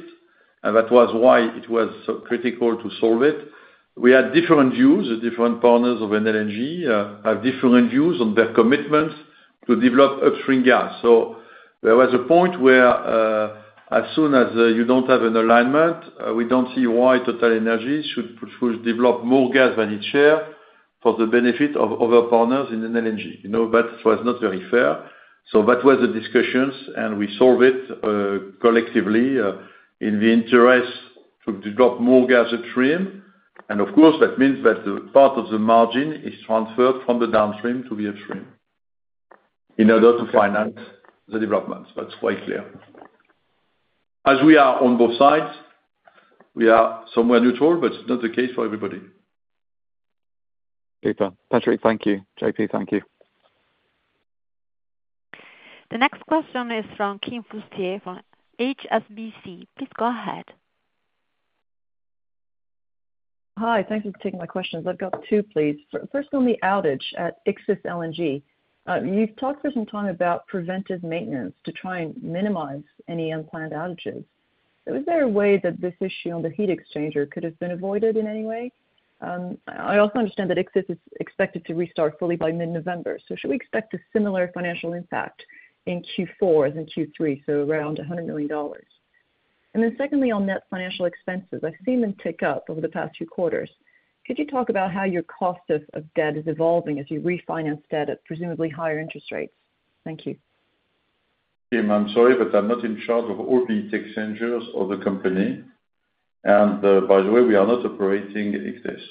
and that was why it was so critical to solve it, we had different views. The different partners of NLNG have different views on their commitments to develop upstream gas. So there was a point where as soon as you don't have an alignment, we don't see why TotalEnergies should develop more gas than its share for the benefit of other partners in NLNG. That was not very fair. So that was the discussions, and we solved it collectively in the interest to develop more gas upstream. And of course, that means that part of the margin is transferred from the downstream to the upstream in order to finance the development. That's quite clear. As we are on both sides, we are somewhere neutral, but it's not the case for everybody. Super. Patrick, thank you. JP, thank you. The next question is from Kim Fustier from HSBC. Please go ahead. Hi. Thank you for taking my questions. I've got two, please. First, on the outage at Ichthys LNG. You've talked for some time about preventive maintenance to try and minimize any unplanned outages. Is there a way that this issue on the heat exchanger could have been avoided in any way? I also understand that Ichthys is expected to restart fully by mid-November. So should we expect a similar financial impact in Q4 as in Q3, so around $100 million? And then secondly, on net financial expenses, I've seen them tick up over the past few quarters. Could you talk about how your cost of debt is evolving as you refinance debt at presumably higher interest rates? Thank you. Kim, I'm sorry, but I'm not in charge of all the heat exchangers of the company. And by the way, we are not operating Ichthys.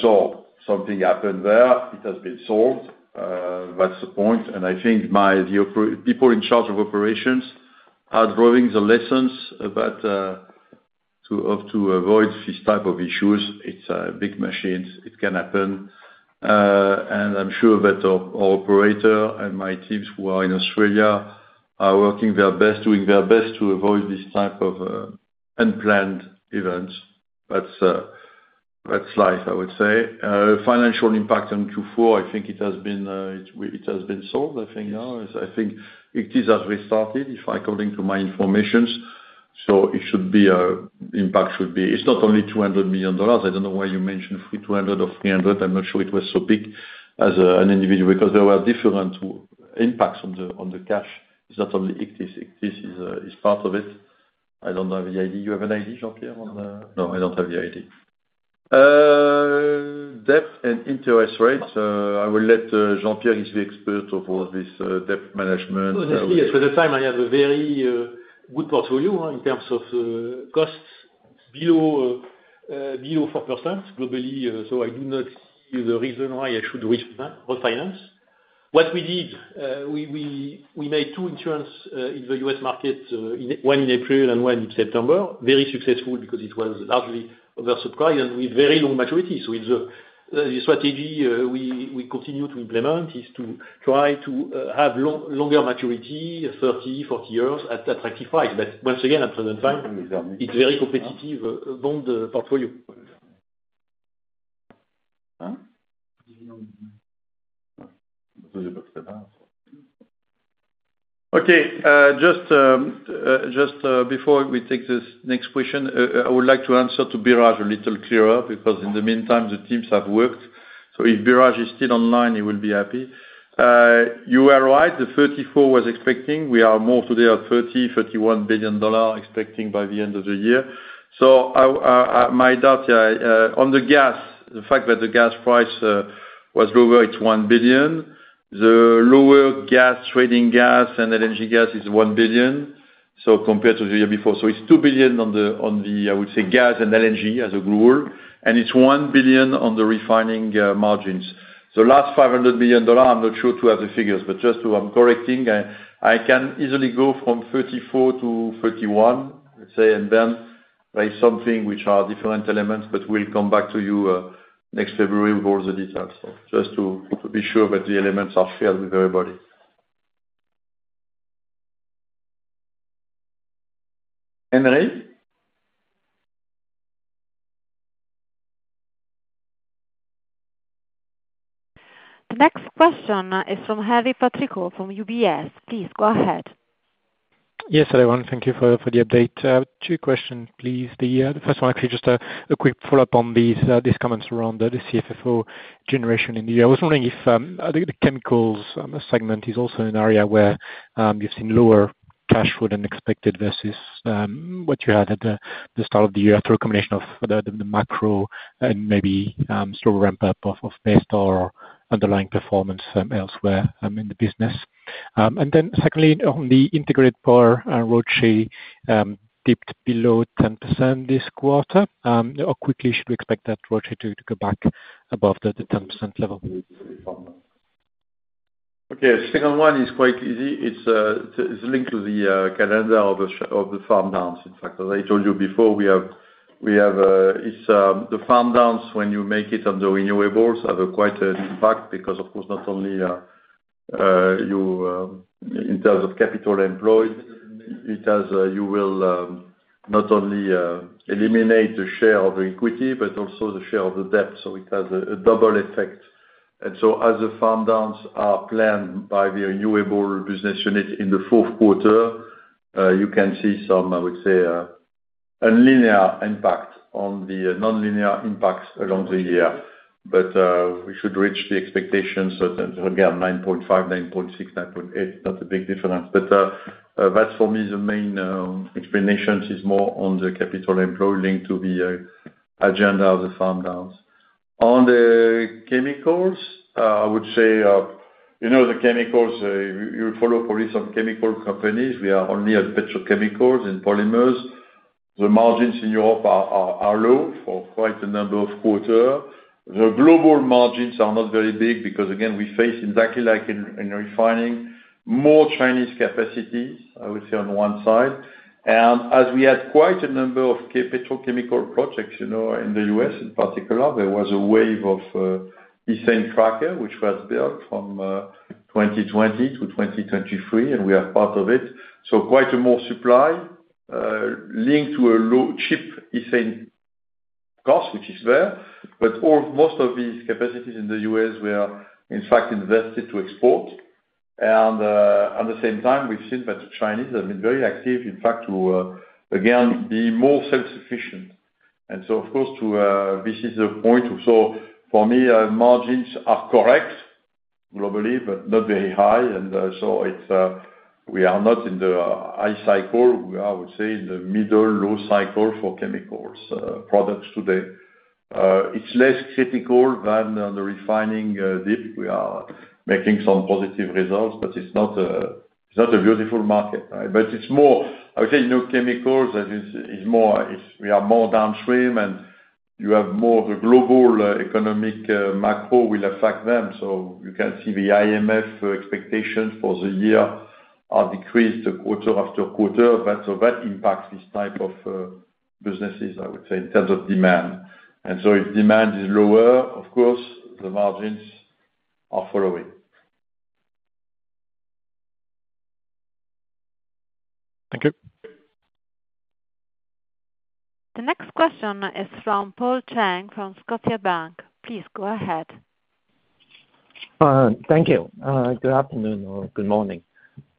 So something happened there. It has been solved. That's the point. And I think my people in charge of operations are drawing the lessons that to avoid these types of issues. It's big machines. It can happen. And I'm sure that our operator and my teams who are in Australia are working their best, doing their best to avoid these types of unplanned events. That's life, I would say. Financial impact on Q4, I think it has been solved, I think now. I think Ichthys has restarted, according to my information. So it should be impact should be it's not only $200 million. I don't know why you mentioned 200 or 300. I'm not sure it was so big as an individual because there were different impacts on the cash. It's not only Ichthys. Ichthys is part of it. I don't have the FID. You have an FID, Jean-Pierre, on the? No, I don't have the FID. Debt and interest rates. I will let Jean-Pierre, he's the expert of all this debt management. So it's clear. At the time, I had a very good portfolio in terms of costs below 4% globally. So I do not see the reason why I should refinance. What we did, we made two issuances in the U.S. market, one in April and one in September, very successful because it was largely oversubscribed and with very long maturity. So the strategy we continue to implement is to try to have longer maturity, 30, 40 years at attractive price. But once again, at present time, it's a very competitive bond portfolio. Okay. Just before we take this next question, I would like to answer Biraj a little clearer because in the meantime, the teams have worked. So if Biraj is still online, he will be happy. You are right. The $34 was expecting. We are more today at $30 billion-$31 billion expecting by the end of the year. So my doubt on the gas, the fact that the gas price was lower, it's $1 billion. The lower gas, trading gas and LNG gas is $1 billion compared to the year before. So it's $2 billion on the, I would say, gas and LNG as a global. And it's $1 billion on the refining margins. The last $500 million, I'm not sure to have the figures, but just to I'm correcting. I can easily go from 34 to 31, let's say, and then write something which are different elements, but we'll come back to you next February with all the details. Just to be sure that the elements are fair with everybody. Henri? The next question is from Henri Patricot from UBS. Please go ahead. Yes, everyone. Thank you for the update. Two questions, please. The first one, actually, just a quick follow-up on these comments around the CFFO generation in the year. I was wondering if the chemicals segment is also an area where you've seen lower cash flow than expected versus what you had at the start of the year through a combination of the macro and maybe slower ramp-up of Baystar or underlying performance elsewhere in the business. And then secondly, on the Integrated Power, ROACE dipped below 10% this quarter. How quickly should we expect that ROACE to go back above the 10% level? Okay. The second one is quite easy. It's linked to the calendar of the farm downs. In fact, as I told you before, it's the farm downs when you make it on the renewables have quite an impact because, of course, not only you in terms of capital employed, it has you will not only eliminate the share of the equity, but also the share of the debt, so it has a double effect, and so as the farm downs are planned by the renewable business unit in the fourth quarter, you can see some, I would say, a linear impact on the non-linear impacts along the year, but we should reach the expectations, so again, 9.5%, 9.6%, 9.8%, not a big difference, but that's for me the main explanation is more on the capital employed linked to the agenda of the farm downs. On the chemicals, I would say you know the chemicals. You follow probably some chemical companies. We are only at petrochemicals and polymers. The margins in Europe are low for quite a number of quarters. The global margins are not very big because, again, we face, exactly like in refining, more Chinese capacities, I would say, on one side. And as we had quite a number of petrochemical projects in the U.S., in particular, there was a wave of ethane cracker, which was built from 2020 to 2023, and we have part of it. So quite a more supply linked to a low cheap ethane cost, which is there. But most of these capacities in the U.S. were, in fact, invested to export. And at the same time, we've seen that the Chinese have been very active, in fact, to, again, be more self-sufficient. Of course, this is the point. For me, margins are correct globally, but not very high. We are not in the high cycle. We are, I would say, in the middle-low cycle for chemicals products today. It's less critical than the refining dip. We are making some positive results, but it's not a beautiful market. It's more, I would say, chemicals is more we are more downstream, and you have more of the global economic macro will affect them. You can see the IMF expectations for the year are decreased quarter after quarter. That impacts these types of businesses, I would say, in terms of demand. If demand is lower, of course, the margins are following. Thank you. The next question is from Paul Cheng from Scotiabank. Please go ahead. Thank you. Good afternoon or good morning.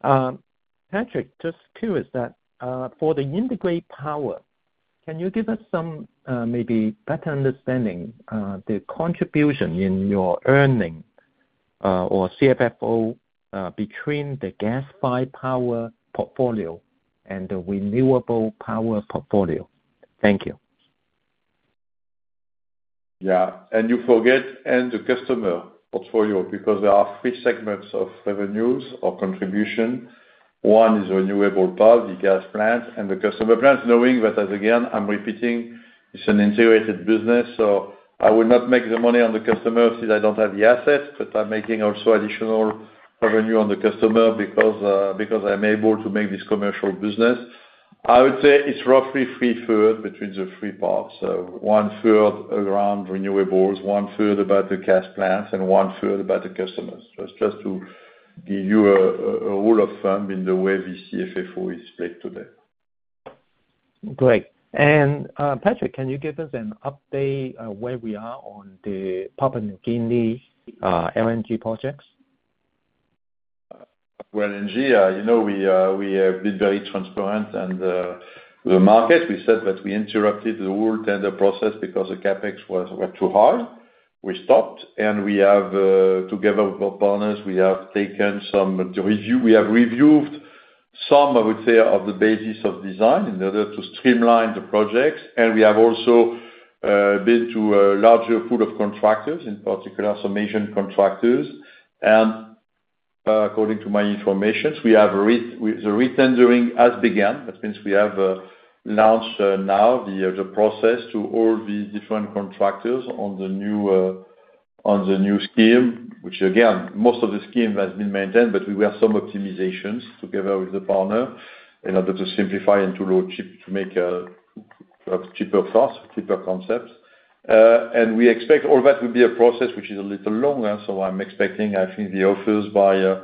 Patrick, just curious that for the Integrated Power, can you give us some maybe better understanding the contribution in your earnings or CFFO between the gas-fired power portfolio and the renewable power portfolio? Thank you. Yeah. And you forget the end customer portfolio because there are three segments of revenues or contribution. One is renewable power, the gas plants, and the customer plants, knowing that, as again, I'm repeating, it's an integrated business. So I will not make the money on the customer since I don't have the assets, but I'm making also additional revenue on the customer because I'm able to make this commercial business. I would say it's roughly three-thirds between the three parts. One-third around renewables, one-third about the gas plants, and one-third about the customers. Just to give you a rule of thumb in the way the CFFO is played today. Great. And Patrick, can you give us an update where we are on the Papua New Guinea LNG projects? NG, we have been very transparent with the market. We said that we interrupted the whole tender process because the CapEx were too high. We stopped. And together with our partners, we have taken some time to review. We have reviewed some, I would say, of the basis of design in order to streamline the projects. And we have also been to a larger pool of contractors, in particular, some Asian contractors. And according to my information, the re-tendering has begun. That means we have launched now the process to all the different contractors on the new scheme, which, again, most of the scheme has been maintained, but we have some optimizations together with the partner in order to simplify and to make cheaper costs, cheaper concepts. And we expect all that will be a process which is a little longer. So I'm expecting, I think, the offers by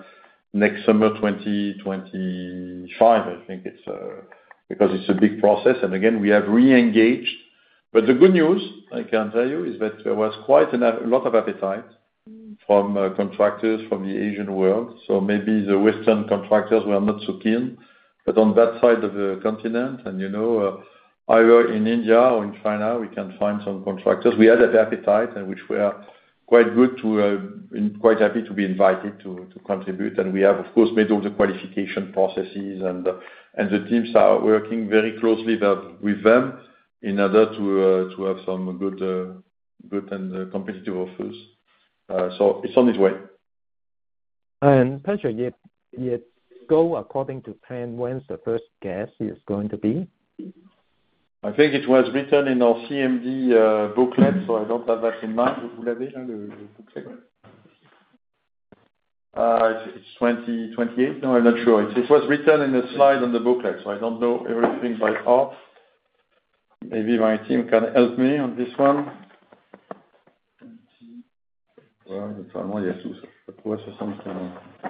next summer, 2025, I think, because it's a big process. And again, we have re-engaged. But the good news, I can tell you, is that there was quite a lot of appetite from contractors from the Asian world. So maybe the Western contractors were not so keen. But on that side of the continent, and either in India or in China, we can find some contractors. We had the appetite, which we are quite good to be quite happy to be invited to contribute. And we have, of course, made all the qualification processes, and the teams are working very closely with them in order to have some good and competitive offers. So it's on its way. And Patrick, if it goes according to plan, when's the first gas it's going to be? I think it was written in our CMD booklet, so I don't have that in mind. It's 2028. No, I'm not sure. It was written in a slide on the booklet, so I don't know everything by heart. Maybe my team can help me on this one. Well, it's almost yesterday.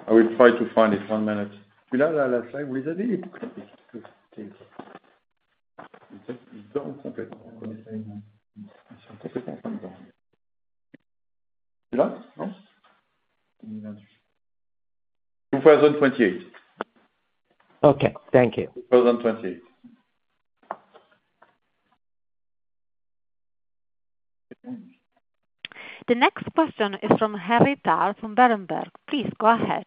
I will try to find it. One minute. 2028. Okay. Thank you. 2028. The next question is from Henry Tarr from Berenberg. Please go ahead.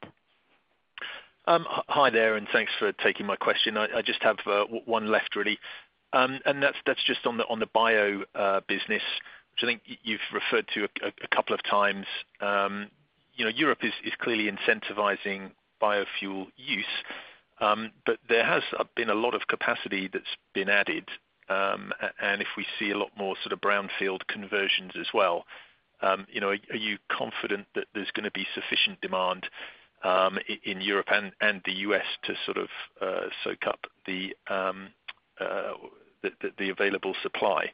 Hi there, and thanks for taking my question. I just have one left, really. And that's just on the bio business, which I think you've referred to a couple of times. Europe is clearly incentivizing biofuel use, but there has been a lot of capacity that's been added. And if we see a lot more sort of brownfield conversions as well, are you confident that there's going to be sufficient demand in Europe and the U.S. to sort of soak up the available supply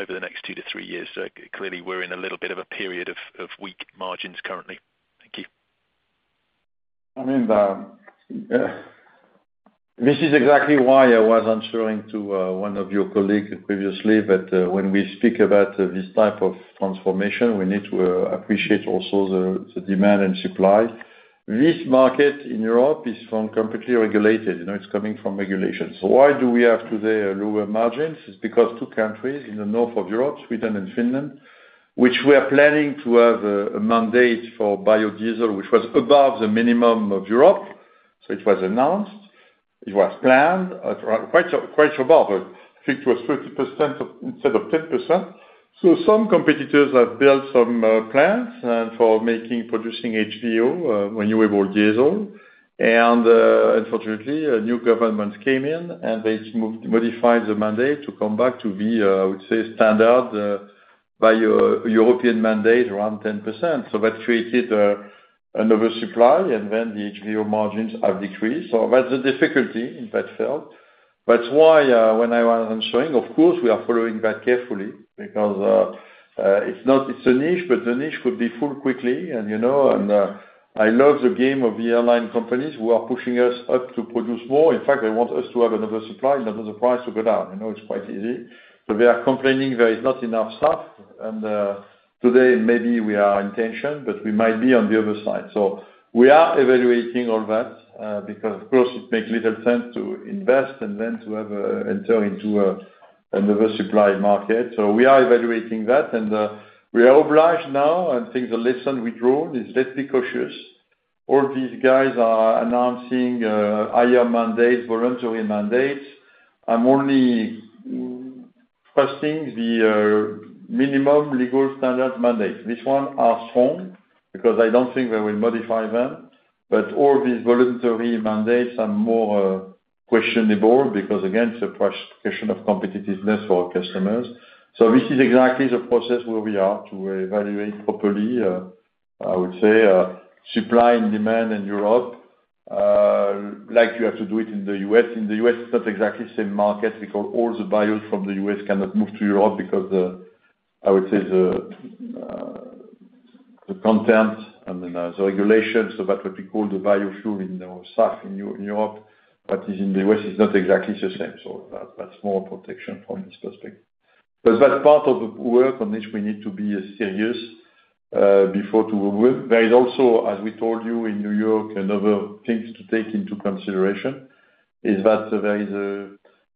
over the next two to three years? Clearly, we're in a little bit of a period of weak margins currently. Thank you. I mean, this is exactly why I was answering to one of your colleagues previously, that when we speak about this type of transformation, we need to appreciate also the demand and supply. This market in Europe is completely regulated. It's coming from regulations. So why do we have today lower margins? It's because two countries in the north of Europe, Sweden and Finland, which were planning to have a mandate for biodiesel, which was above the minimum of Europe. So it was announced. It was planned quite above. I think it was 30% instead of 10%. So some competitors have built some plants for making HVO, renewable diesel. And unfortunately, new governments came in, and they modified the mandate to come back to be, I would say, standard by European mandate around 10%. So that created an oversupply, and then the HVO margins have decreased. So that's the difficulty in that field. That's why when I was answering, of course, we are following that carefully because it's a niche, but the niche could be full quickly. And I love the game of the airline companies who are pushing us up to produce more. In fact, they want us to have an oversupply, an oversupply to go down. It's quite easy. So they are complaining there is not enough stuff. And today, maybe we are in tension, but we might be on the other side. So we are evaluating all that because, of course, it makes little sense to invest and then to enter into an oversupply market. So we are evaluating that, and we are obliged now, and things are less than withdrawn. It's less precocious. All these guys are announcing higher mandates, voluntary mandates. I'm only trusting the minimum legal standard mandates. These ones are strong because I don't think they will modify them, but all these voluntary mandates are more questionable because, again, it's a question of competitiveness for customers, so this is exactly the process where we are to evaluate properly, I would say, supply and demand in Europe, like you have to do it in the U.S. In the U.S., it's not exactly the same market because all the biofuels from the U.S. cannot move to Europe because, I would say, the content and the regulations about what we call the biofuel in the south in Europe, what is in the U.S. is not exactly the same, so that's more protection from this perspective, but that's part of the work on which we need to be serious before to move. There is also, as we told you, in New York, another thing to take into consideration is that there is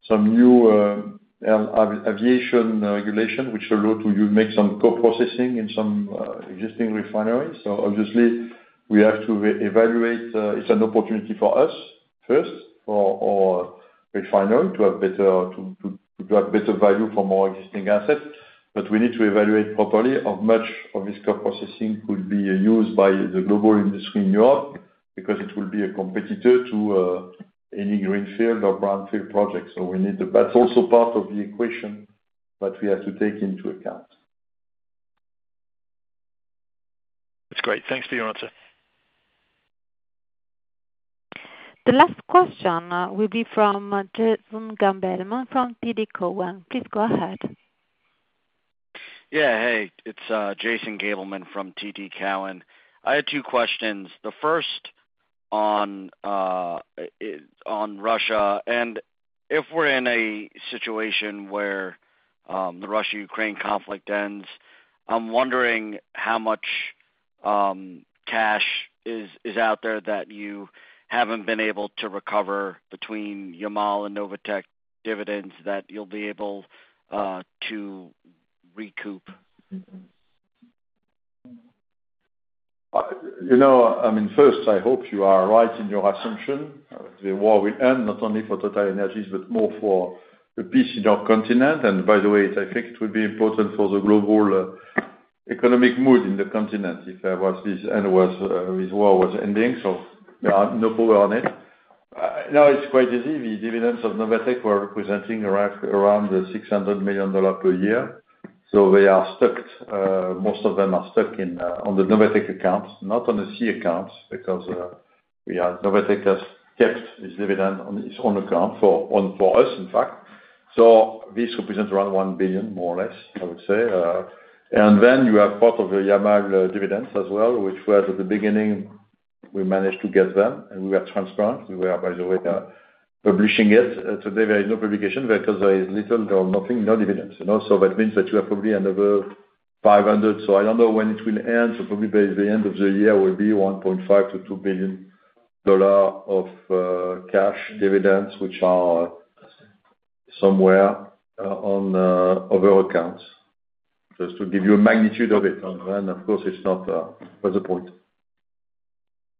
some new aviation regulation, which allows you to make some co-processing in some existing refineries, so obviously, we have to evaluate. It's an opportunity for our first refinery to have better value from our existing assets. But we need to evaluate properly how much of this co-processing could be used by the global industry in Europe because it will be a competitor to any greenfield or brownfield projects, so we need that. That's also part of the equation that we have to take into account. That's great. Thanks for your answer. The last question will be from Jason Gabelman from TD Cowen. Please go ahead. Yeah. Hey, it's Jason Gabelman from TD Cowen. I had two questions. The first on Russia and if we're in a situation where the Russia-Ukraine conflict ends, I'm wondering how much cash is out there that you haven't been able to recover between Yamal and Novatek dividends that you'll be able to recoup? I mean, first, I hope you are right in your assumption. The war will end not only for TotalEnergies, but more for the peace in our continent. And by the way, I think it would be important for the global economic mood in the continent if this war was ending. So there are no power on it. Now, it's quite easy. The dividends of Novatek were representing around $600 million per year. So they are stuck. Most of them are stuck on the Novatek accounts, not on the SE accounts, because Novatek has kept its dividend on its own account for us, in fact. So this represents around $1 billion, more or less, I would say. And then you have part of the Yamal dividends as well, which was at the beginning, we managed to get them, and we were transparent. We were, by the way, publishing it. Today, there is no publication because there is little, nothing, no dividends. That means that you have probably another 500. I don't know when it will end. Probably by the end of the year, it will be $1.5 billion-$2 billion of cash dividends, which are somewhere on other accounts. Just to give you a magnitude of it. Of course, it's not the point.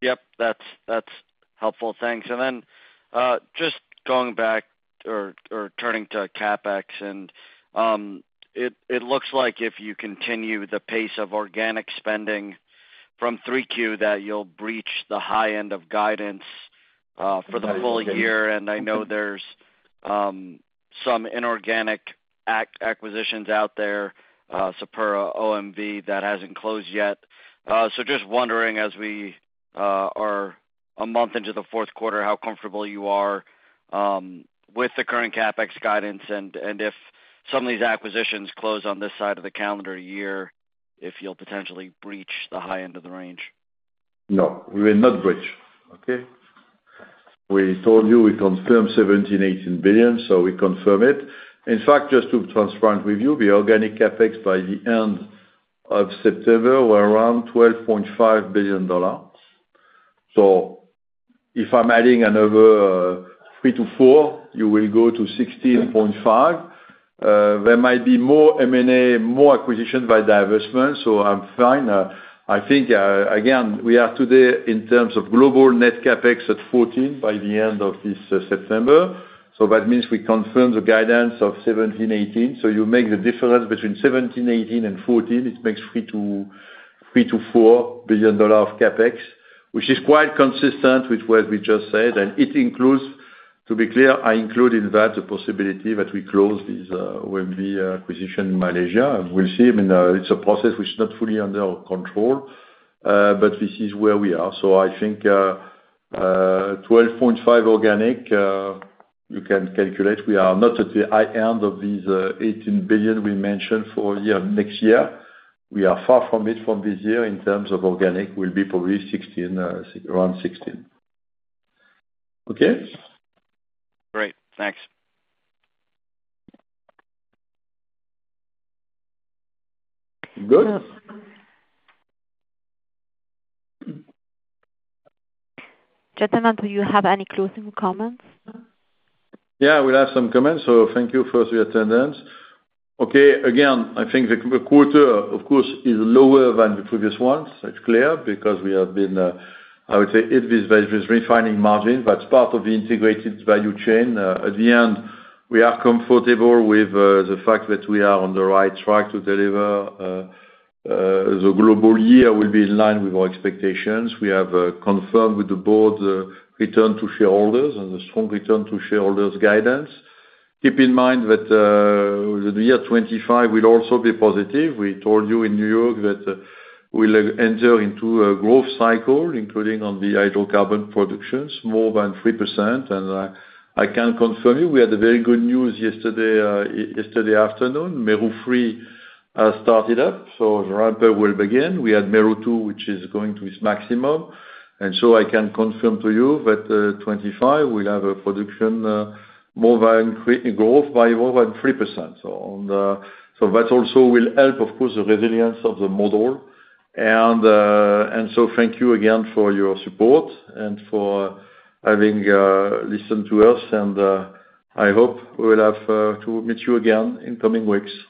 Yep. That's helpful. Thanks. And then just going back or turning to CapEx, it looks like if you continue the pace of organic spending from 3Q, that you'll breach the high end of guidance for the full year. And I know there's some inorganic acquisitions out there, the OMV, that hasn't closed yet. So just wondering, as we are a month into the fourth quarter, how comfortable you are with the current CapEx guidance and if some of these acquisitions close on this side of the calendar year, if you'll potentially breach the high end of the range? No. We will not breach. Okay? We told you we confirmed $17 billion-$18 billion, so we confirm it. In fact, just to be transparent with you, the organic CapEx by the end of September were around $12.5 billion. So if I'm adding another $3 billion-$4 billion, you will go to $16.5 billion. There might be more M&A, more acquisitions by divestment, so I'm fine. I think, again, we are today in terms of global net CapEx at $14 billion by the end of this September. So that means we confirm the guidance of $17 billion-$18 billion. So you make the difference between $17 billion-$18 billion and $14 billion. It makes $3 billion-$4 billion of CapEx, which is quite consistent with what we just said. And it includes, to be clear, I include in that the possibility that we close these OMV acquisitions in Malaysia. We'll see. I mean, it's a process which is not fully under control, but this is where we are. So I think $12.5 billion organic, you can calculate. We are not at the high end of these $18 billion we mentioned for next year. We are far from it from this year in terms of organic. We'll be probably around $16 billion. Okay? Great. Thanks. Good. Jason, do you have any closing comments? Yeah, we'll have some comments. So thank you for the attendance. Okay. Again, I think the quarter, of course, is lower than the previous ones. That's clear because we have been, I would say, at this refining margin, but it's part of the integrated value chain. At the end, we are comfortable with the fact that we are on the right track to deliver. The full year will be in line with our expectations. We have confirmed with the board the return to shareholders and the strong return to shareholders guidance. Keep in mind that the year 2025 will also be positive. We told you in New York that we'll enter into a growth cycle, including on the hydrocarbon productions, more than 3%. And I can confirm you, we had very good news yesterday afternoon. Mero 3 has started up, so the ramp-up will begin. We had Mero 2, which is going to its maximum. And so I can confirm to you that 2025, we'll have a production more growth by more than 3%. So that also will help, of course, the resilience of the model. And so thank you again for your support and for having listened to us. And I hope we'll have to meet you again in coming weeks.